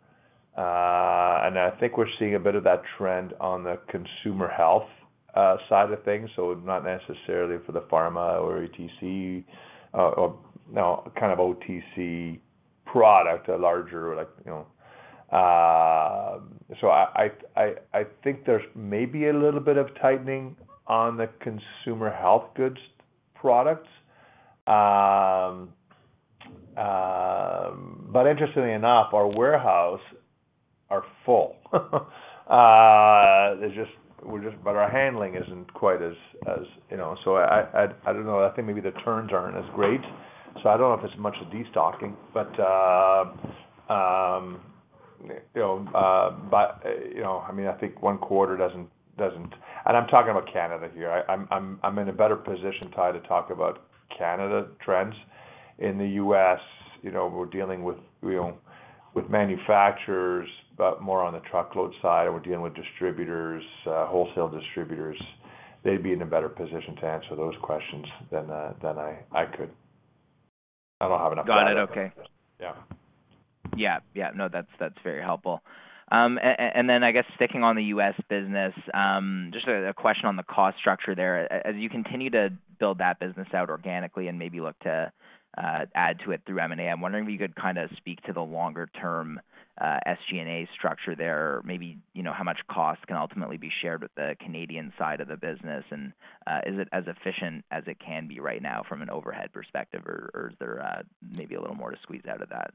[SPEAKER 2] I think we're seeing a bit of that trend on the consumer health side of things, so not necessarily for the pharma or ETC, or, you know, kind of OTC product, a larger, like. I think there's maybe a little bit of tightening on the consumer health goods products. Interestingly enough, our warehouse are full. Our handling isn't quite as, you know. I don't know. I think maybe the turns aren't as great, so I don't know if it's as much as destocking, you know, I mean, I think one quarter doesn't, doesn't-- I'm talking about Canada here. I, I'm, I'm, I'm in a better position, Ty, to talk about Canada trends. In the U.S., you know, we're dealing with, you know, with manufacturers, but more on the truckload side, we're dealing with distributors, wholesale distributors. They'd be in a better position to answer those questions than I, I could. I don't have enough-
[SPEAKER 7] Got it. Okay.
[SPEAKER 2] Yeah.
[SPEAKER 7] Yeah. Yeah. No, that's, that's very helpful. I guess, sticking on the U.S. business, just a question on the cost structure there. As you continue to build that business out organically and maybe look to add to it through M&A, I'm wondering if you could kind of speak to the longer-term SG&A structure there. Maybe, you know, how much cost can ultimately be shared with the Canadian side of the business, and, is it as efficient as it can be right now from an overhead perspective, or, or is there, maybe a little more to squeeze out of that?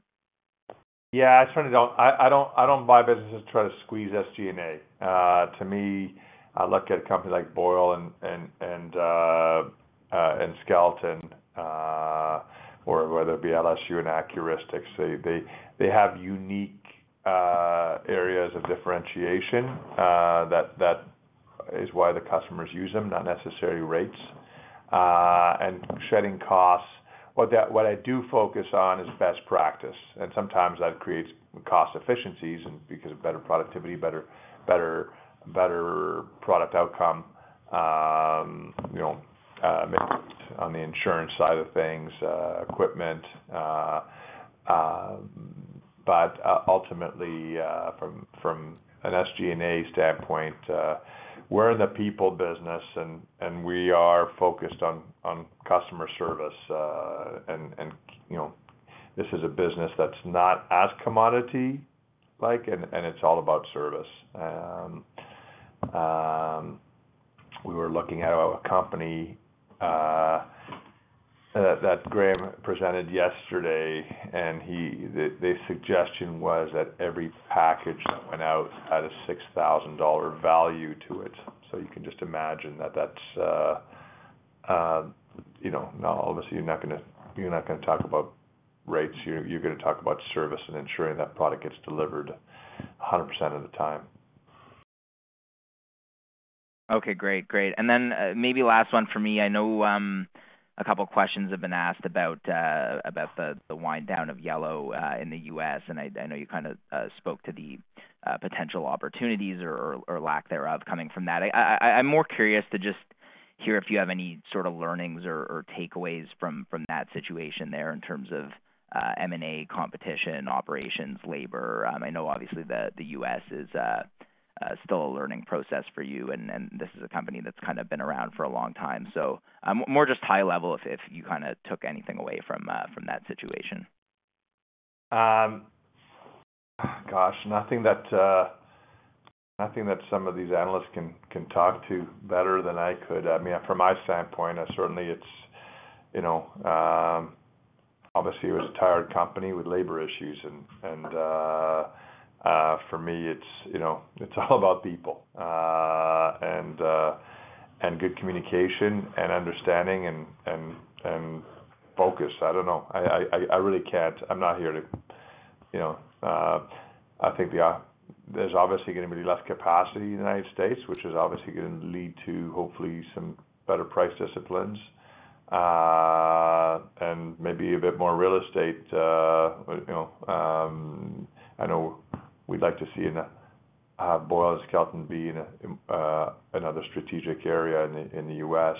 [SPEAKER 2] Yeah, I certainly don't, I don't, I don't buy businesses to try to squeeze SG&A. To me, I look at a company like Boyle and, and, and Skeleton, or whether it be LSU and Accuristix, they, they, they have unique areas of differentiation that, that is why the customers use them, not necessarily rates and shedding costs. What I do focus on is best practice, and sometimes that creates cost efficiencies and because of better productivity, better, better, better product outcome, you know, on the insurance side of things, equipment, but ultimately, from an SG&A standpoint, we're in the people business and, and we are focused on, on customer service. And, you know, this is a business that's not as commodity-like, and, and it's all about service. We were looking at a company that Graham presented yesterday, and the suggestion was that every package that went out had a $6,000 value to it. You can just imagine that that's, you know, now obviously, you're not gonna, you're not gonna talk about rates, you're, you're gonna talk about service and ensuring that product gets delivered 100% of the time.
[SPEAKER 7] Okay, great. Great. Maybe last one for me. I know, a couple of questions have been asked about about the, the wind down of Yellow in the U.S., and I, I know you kind of spoke to the potential opportunities or, or lack thereof coming from that. I, I, I'm more curious to just hear if you have any sort of learnings or, or takeaways from, from that situation there in terms of M&A competition, operations, labor. I know obviously the, the U.S. is still a learning process for you, and, and this is a company that's kind of been around for a long time. More just high level, if, if you kinda took anything away from that situation.
[SPEAKER 2] Gosh, nothing that nothing that some of these analysts can, can talk to better than I could. I mean, from my standpoint, certainly it's, you know, obviously, it was a tired company with labor issues and, and, for me, it's, you know, it's all about people, and, and good communication and understanding and, and, focus. I don't know. I really can't. I'm not here to, you know... I think there's obviously going to be less capacity in the United States, which is obviously going to lead to hopefully, some better price disciplines, and maybe a bit more real estate, you know. I know we'd like to see in Boyle and Skelton be in another strategic area in the in the U.S.,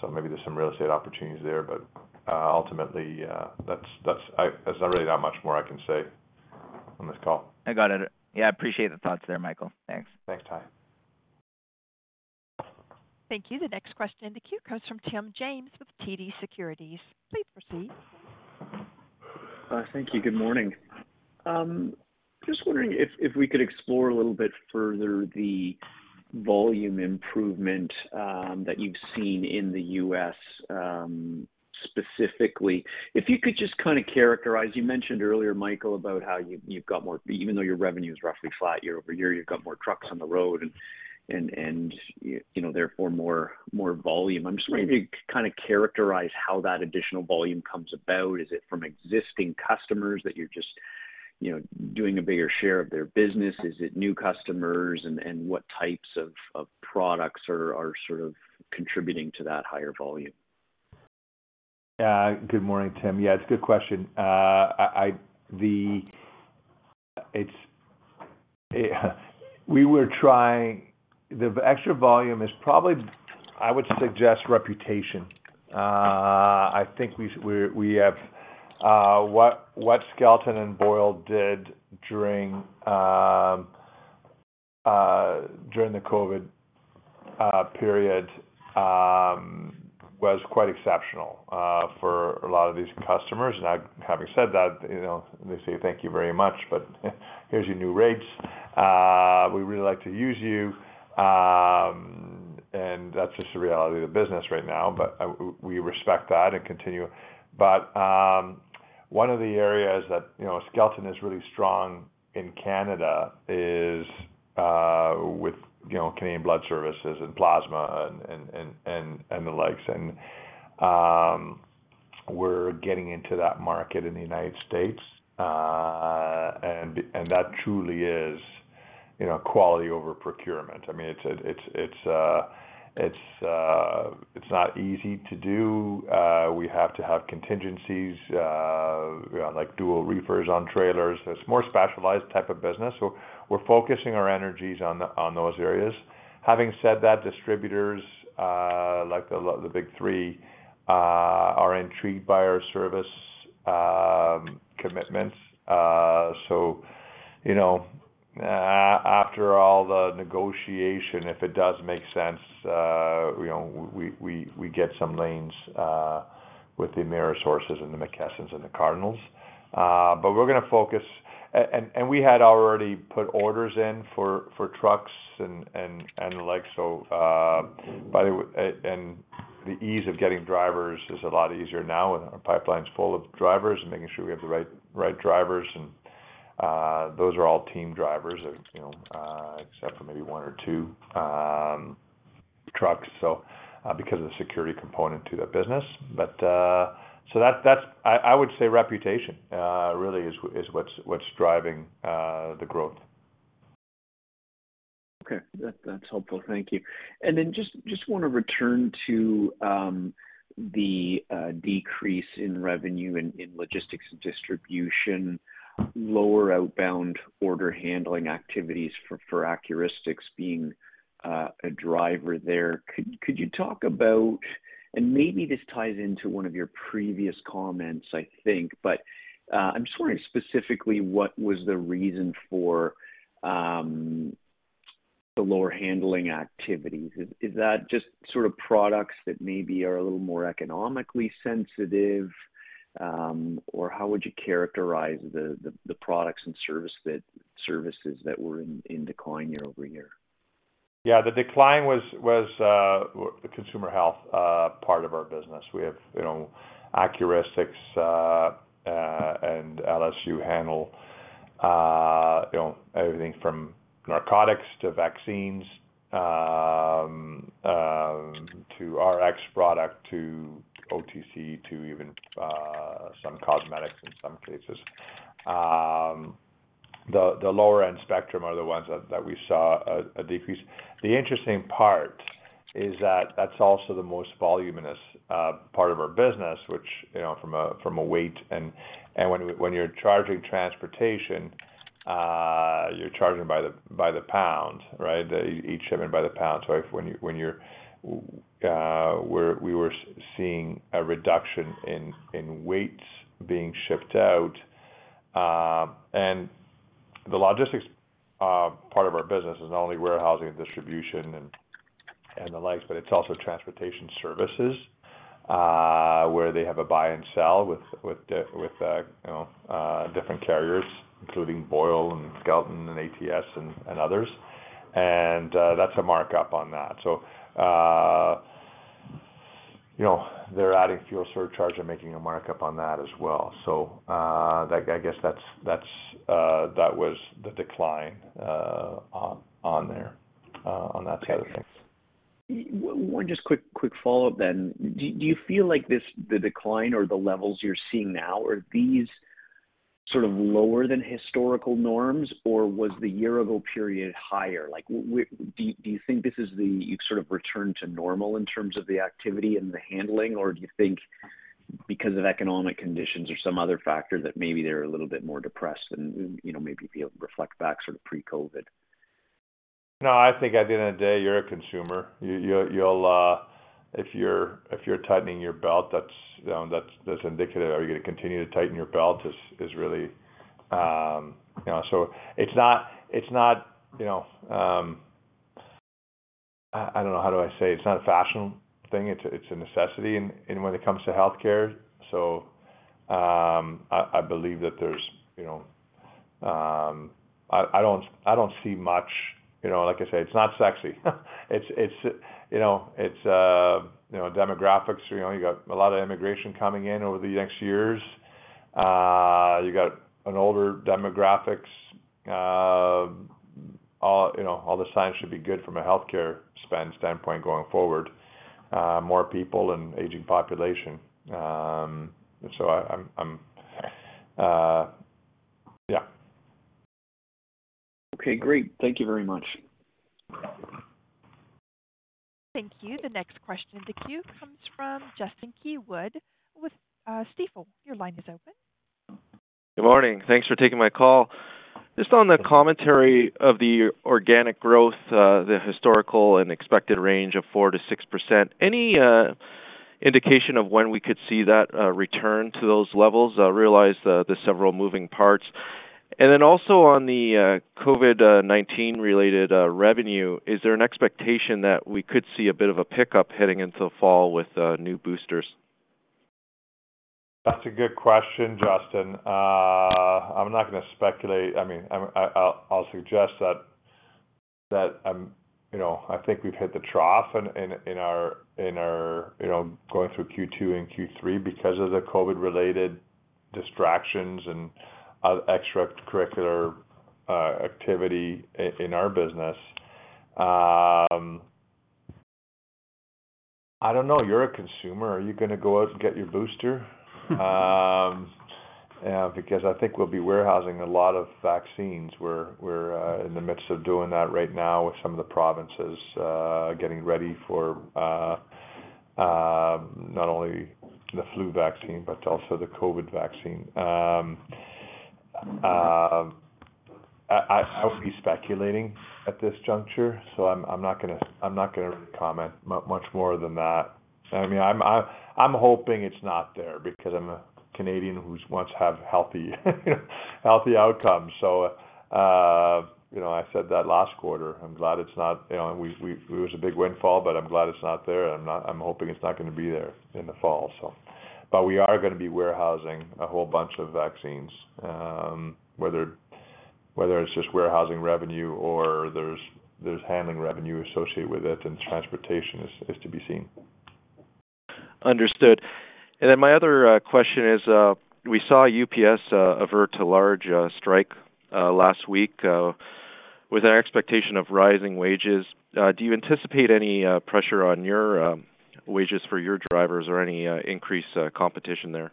[SPEAKER 2] so maybe there's some real estate opportunities there, but ultimately, that's, that's, there's not really that much more I can say on this call.
[SPEAKER 7] I got it. Yeah, I appreciate the thoughts there, Michael. Thanks.
[SPEAKER 2] Thanks, Ty.
[SPEAKER 1] Thank you. The next question in the queue comes from Tim James with TD Securities. Please proceed.
[SPEAKER 8] Thank you. Good morning. Just wondering if, if we could explore a little bit further the volume improvement that you've seen in the U.S. specifically. If you could just kind of characterize. You mentioned earlier, Michael, about how you, you've got more even though your revenue is roughly flat year-over-year, you've got more trucks on the road and, you know, therefore more, more volume. I'm just wondering if you could kind of characterize how that additional volume comes about. Is it from existing customers that you're just, you know, doing a bigger share of their business? Is it new customers? What types of, of products are, are sort of contributing to that higher volume?
[SPEAKER 2] Good morning, Tim. Yeah, it's a good question. I, I, the-- It's, we were trying... The extra volume is probably, I would suggest, reputation. I think we, we, we have, what, what Skelton and Boyle did during, during the COVID period, was quite exceptional, for a lot of these customers. Now, having said that, you know, they say, "Thank you very much, but here's your new rates. We really like to use you." That's just the reality of the business right now, but we respect that and continue. One of the areas that, you know, Skelton is really strong in Canada is, with, you know, Canadian Blood Services and Plasma and, and, and, and, and the likes. we're getting into that market in the United States, and, and that truly is, you know, quality over procurement. I mean, it's, it's, it's, it's, it's not easy to do. We have to have contingencies, like dual reefers on trailers. It's more specialized type of business, so we're focusing our energies on, on those areas. Having said that, distributors, like the, the Big Three, are intrigued by our service commitments. You know, after all the negotiation, if it does make sense, you know, we, we, we get some lanes with the Amerisources and the McKessons and the Cardinals. we're gonna focus-... and, and we had already put orders in for, for trucks and, and, and the like. By the way, and the ease of getting drivers is a lot easier now, and our pipeline is full of drivers and making sure we have the right, right drivers. Those are all team drivers, you know, except for maybe one or two trucks. Because of the security component to the business. That's, that's I, I would say reputation, really is, is what's, what's driving the growth.
[SPEAKER 8] Okay. That, that's helpful. Thank you. Then just, just wanna return to the decrease in revenue in logistics and distribution, lower outbound order handling activities for, for Accuristix being a driver there. Could, could you talk about, and maybe this ties into one of your previous comments, I think, but I'm just wondering specifically, what was the reason for the lower handling activities? Is, is that just sort of products that maybe are a little more economically sensitive, or how would you characterize the, the, the products and service that-- services that were in, in decline year-over-year?
[SPEAKER 2] Yeah, the decline was, was, the consumer health part of our business. We have, you know, Accuristix and LSU handle, you know, everything from narcotics to vaccines, to RX product, to OTC, to even some cosmetics in some cases. The, the lower-end spectrum are the ones that, that we saw a decrease. The interesting part is that that's also the most voluminous part of our business, which, you know, from a weight. When, when you're charging transportation, you're charging by the, by the pound, right? Each shipment by the pound. If when you're, we were seeing a reduction in weights being shipped out. The logistics part of our business is not only warehousing and distribution and, and the likes, but it's also transportation services, where they have a buy and sell with, with, with, you know, different carriers, including Boyle and Skelton and ATS and, and others. That's a markup on that. You know, they're adding fuel surcharge and making a markup on that as well. That, I guess that's, that's, that was the decline on, on there, on that side of things.
[SPEAKER 8] One just quick, quick follow-up then. Do, do you feel like this, the decline or the levels you're seeing now, are these sort of lower than historical norms, or was the year-ago period higher? Like, do, do you think this is the, you sort of return to normal in terms of the activity and the handling, or do you think because of economic conditions or some other factor, that maybe they're a little bit more depressed and, and, you know, maybe if you reflect back sort of pre-COVID?
[SPEAKER 2] No, I think at the end of the day, you're a consumer. You, you'll, if you're, if you're tightening your belt, that's, that's, that's indicative. Are you gonna continue to tighten your belt? Is, is really, you know. It's not, it's not, you know, I, I don't know. How do I say? It's not a fashion thing, it's, it's a necessity in, in when it comes to healthcare. I, I believe that there's, you know, I, I don't, I don't see much, you know, like I said, it's not sexy. It's, it's, you know, it's, you know, demographics. You know, you got a lot of immigration coming in over the next years. You got an older demographics, all, you know, all the signs should be good from a healthcare spend standpoint going forward, more people and aging population. I, I'm, I'm, yeah.
[SPEAKER 8] Okay, great. Thank you very much.
[SPEAKER 1] Thank you. The next question in the queue comes from Justin Keywood with Stifel. Your line is open.
[SPEAKER 9] Good morning. Thanks for taking my call. Just on the commentary of the organic growth, the historical and expected range of 4%-6%, any indication of when we could see that return to those levels? I realize there are several moving parts. Then also on the COVID-19 related revenue, is there an expectation that we could see a bit of a pickup heading into the fall with new boosters?
[SPEAKER 2] That's a good question, Justin. I'm not gonna speculate. I mean, I'm-- I, I'll suggest that, that, you know, I think we've hit the trough in, in our, in our, you know, going through Q2 and Q3 because of the COVID-related distractions and extracurricular activity i- in our business. I don't know. You're a consumer. Are you gonna go out and get your booster? Because I think we'll be warehousing a lot of vaccines. We're, we're, in the midst of doing that right now with some of the provinces, getting ready for, not only the flu vaccine, but also the COVID vaccine. I, I would be speculating at this juncture, so I'm, I'm not gonna, I'm not gonna really comment mu- much more than that. I mean, I'm hoping it's not there because I'm a Canadian who's wants to have healthy, healthy outcomes. You know, I said that last quarter. I'm glad it's not, you know, we it was a big windfall, but I'm glad it's not there. I'm hoping it's not going to be there in the fall, so. We are going to be warehousing a whole bunch of vaccines. Whether it's just warehousing revenue or there's handling revenue associated with it, and transportation is to be seen.
[SPEAKER 9] Understood. My other question is, we saw UPS avert a large strike last week with an expectation of rising wages. Do you anticipate any pressure on your wages for your drivers or any increased competition there?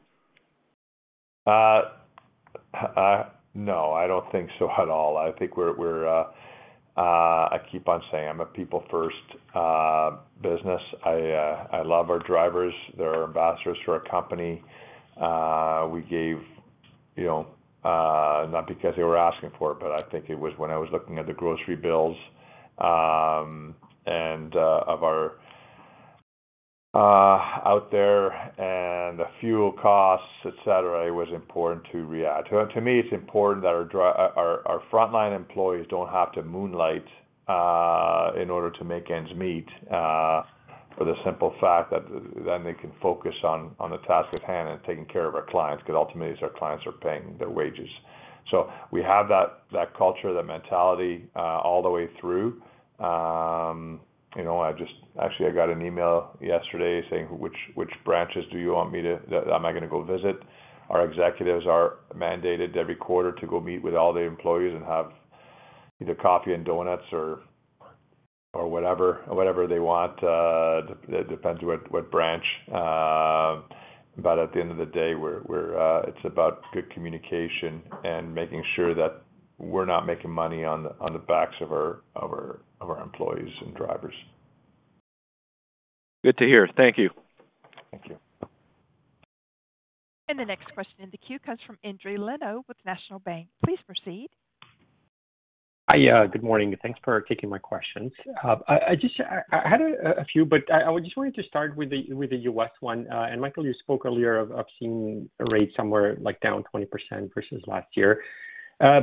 [SPEAKER 2] No, I don't think so at all. I think we're, we're, I keep on saying I'm a people first business. I love our drivers. They're our ambassadors for our company. We gave, you know, not because they were asking for it, but I think it was when I was looking at the grocery bills, and of our out there and the fuel costs, et cetera, it was important to react. To me, it's important that our frontline employees don't have to moonlight in order to make ends meet for the simple fact that then they can focus on, on the task at hand and taking care of our clients, because ultimately, it's our clients are paying their wages. We have that, that culture, that mentality all the way through. You know, I just actually I got an email yesterday saying, which, which branches do you want me to that am I going to go visit? Our executives are mandated every quarter to go meet with all the employees and have either coffee and donuts or, or whatever, whatever they want, it depends what, what branch. At the end of the day, we're, we're, it's about good communication and making sure that we're not making money on the, on the backs of our, of our, of our employees and drivers.
[SPEAKER 9] Good to hear. Thank you.
[SPEAKER 2] Thank you.
[SPEAKER 1] The next question in the queue comes from Endri Leno with National Bank. Please proceed.
[SPEAKER 10] Hi, good morning, thanks for taking my questions. I, I just, I, I had a, a few, I, I just wanted to start with the, with the U.S. one. Michael, you spoke earlier of, of seeing a rate somewhere, like, down 20% versus last year. I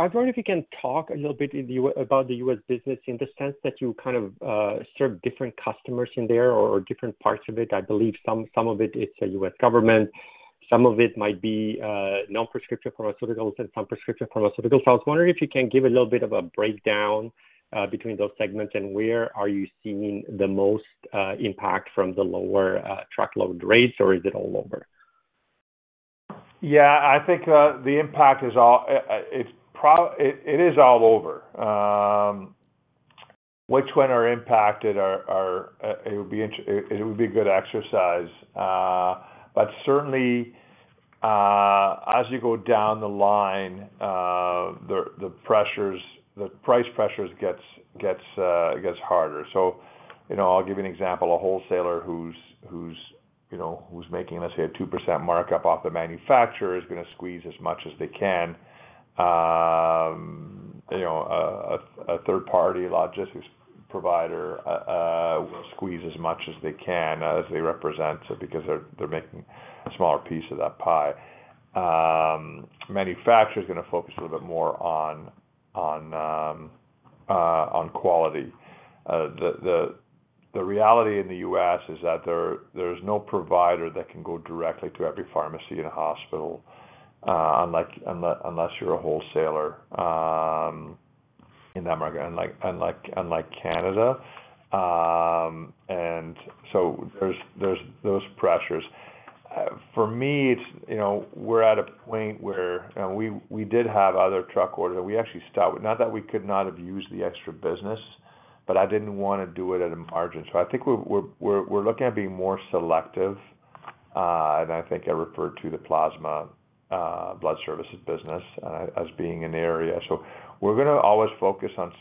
[SPEAKER 10] was wondering if you can talk a little bit about the U.S. business in the sense that you kind of serve different customers in there or different parts of it. I believe some, some of it is a U.S. government, some of it might be non-prescription pharmaceuticals and some prescription pharmaceuticals. I was wondering if you can give a little bit of a breakdown between those segments, and where are you seeing the most impact from the lower truckload rates, or is it all over?
[SPEAKER 2] Yeah, I think, the impact is all, it, it is all over. Which one are impacted are, are, it would be a good exercise. Certainly, as you go down the line, the, the pressures, the price pressures gets, gets, gets harder. You know, I'll give you an example. A wholesaler who's, who's, you know, who's making, let's say, a 2% markup off the manufacturer, is going to squeeze as much as they can. You know, a, a third-party logistics provider, will squeeze as much as they can as they represent, so because they're, they're making a smaller piece of that pie. Manufacturer is going to focus a little bit more on, on, on quality. The, the, the reality in the U.S. is that there, there's no provider that can go directly to every pharmacy and hospital, unlike, unless, unless you're a wholesaler, in America, unlike, unlike, unlike Canada. There's, there's those pressures. For me, it's, you know, we're at a point where we, we did have other truck orders that we actually stopped. Not that we could not have used the extra business, but I didn't want to do it at a margin. I think we're, we're, we're looking at being more selective, and I think I referred to the plasma blood services business as being an area. We're going to always focus on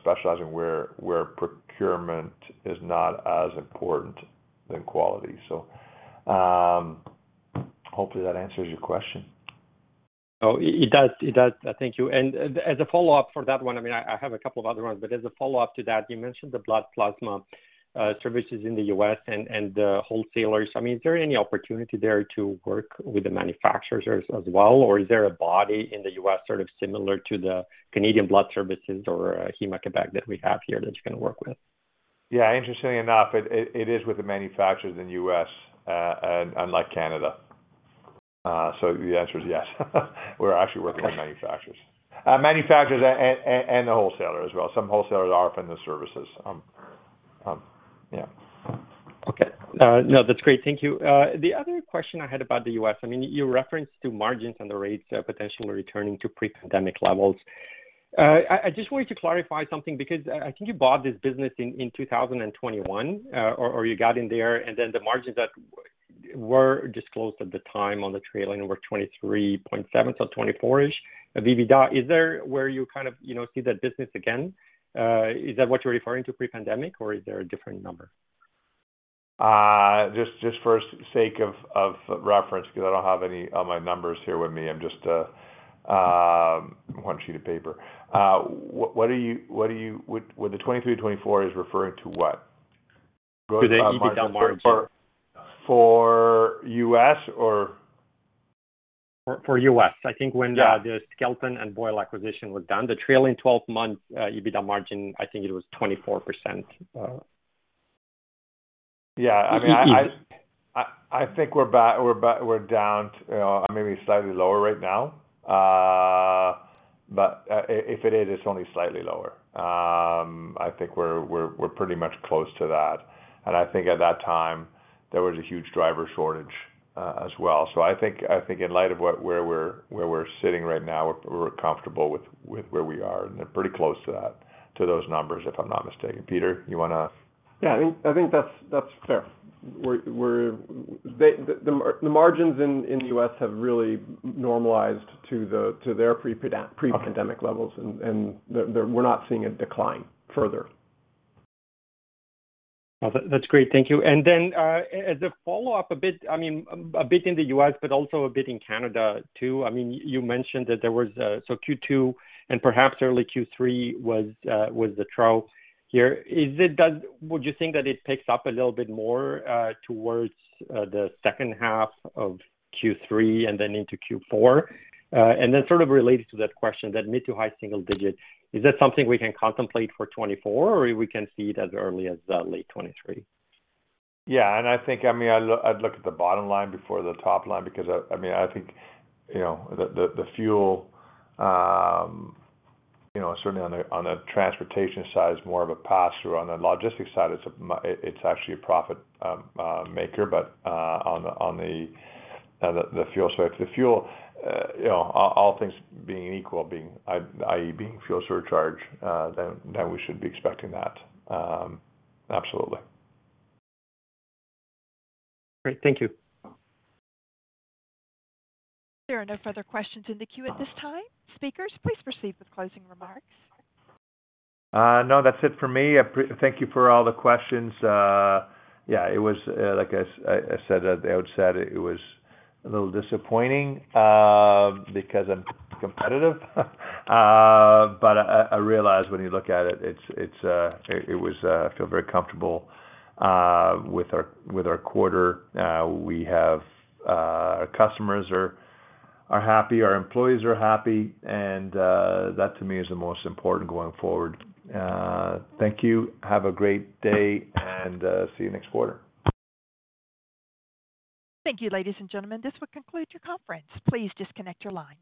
[SPEAKER 2] specializing where, where procurement is not as important than quality. Hopefully, that answers your question.
[SPEAKER 10] Oh, it does. It does. Thank you. As, as a follow-up for that one, I mean, I, I have a couple of other ones, but as a follow-up to that, you mentioned the blood plasma services in the U.S. and, and the wholesalers. I mean, is there any opportunity there to work with the manufacturers as, as well, or is there a body in the U.S. sort of similar to the Canadian Blood Services or Héma-Québec that we have here that you can work with?
[SPEAKER 2] Yeah, interestingly enough, it, it, it is with the manufacturers in the U.S., unlike Canada. The answer is yes. We're actually working with manufacturers. manufacturers and, and, and, and the wholesaler as well. Some wholesalers are offering the services. Yeah.
[SPEAKER 10] Okay. No, that's great. Thank you. The other question I had about the U.S., I mean, you referenced to margins and the rates, potentially returning to pre-pandemic levels. I just wanted to clarify something because I think you bought this business in 2021, or you got in there, and then the margins that were disclosed at the time on the trailing were 23.7, so 24-ish EBITDA. Is there where you kind of, you know, see that business again? Is that what you're referring to pre-pandemic, or is there a different number?
[SPEAKER 2] Just, just for sake of, of reference, because I don't have any of my numbers here with me. I'm just, one sheet of paper. What are you-- well, the 2023, 2024 is referring to what?
[SPEAKER 10] to the EBITDA margin.
[SPEAKER 2] For, for U.S. or?
[SPEAKER 10] For U.S. I think.
[SPEAKER 2] Yeah
[SPEAKER 10] The Skelton and Boyle acquisition was done, the trailing 12 months, EBITDA margin, I think it was 24%.
[SPEAKER 2] Yeah, I mean, I, I, I think we're down, maybe slightly lower right now. If it is, it's only slightly lower. I think we're, we're, we're pretty much close to that. I think at that time, there was a huge driver shortage, as well. I think, I think in light of what, where we're, where we're sitting right now, we're, we're comfortable with, with where we are, and they're pretty close to that, to those numbers, if I'm not mistaken. Peter, you want to...?
[SPEAKER 3] Yeah, I think, I think that's, that's fair. The margins in the U.S. have really normalized to the, to their prepa-.
[SPEAKER 10] Okay...
[SPEAKER 3] pre-pandemic levels, we're not seeing a decline further.
[SPEAKER 10] Well, that, that's great. Thank you. As a follow-up a bit, I mean, a bit in the U.S., but also a bit in Canada, too. I mean, you mentioned that there was... Q2 and perhaps early Q3 was the trough here. Would you think that it picks up a little bit more towards the second half of Q3 and then into Q4? Sort of related to that question, that mid to high single digit, is that something we can contemplate for 2024, or we can see it as early as late 2023?
[SPEAKER 2] Yeah, I think, I mean, I'd look, I'd look at the bottom line before the top line, because, I mean, I think, you know, the, the, the fuel, you know, certainly on the, on the transportation side is more of a pass-through. On the logistics side, it's actually a profit, maker, but, on the, on the, the fuel side. The fuel, you know, all, all things being equal, being, i.e., being fuel surcharge, then we should be expecting that. Absolutely.
[SPEAKER 10] Great. Thank you.
[SPEAKER 1] There are no further questions in the queue at this time. Speakers, please proceed with closing remarks.
[SPEAKER 2] No, that's it for me. I thank you for all the questions. Yeah, it was, like, I, I said at the outset, it was a little disappointing because I'm competitive. I, I realize when you look at it, it's, it's, it was. I feel very comfortable with our, with our quarter. We have, our customers are, are happy, our employees are happy, and that to me is the most important going forward. Thank you. Have a great day, and see you next quarter.
[SPEAKER 1] Thank you, ladies and gentlemen, this will conclude your conference. Please disconnect your line.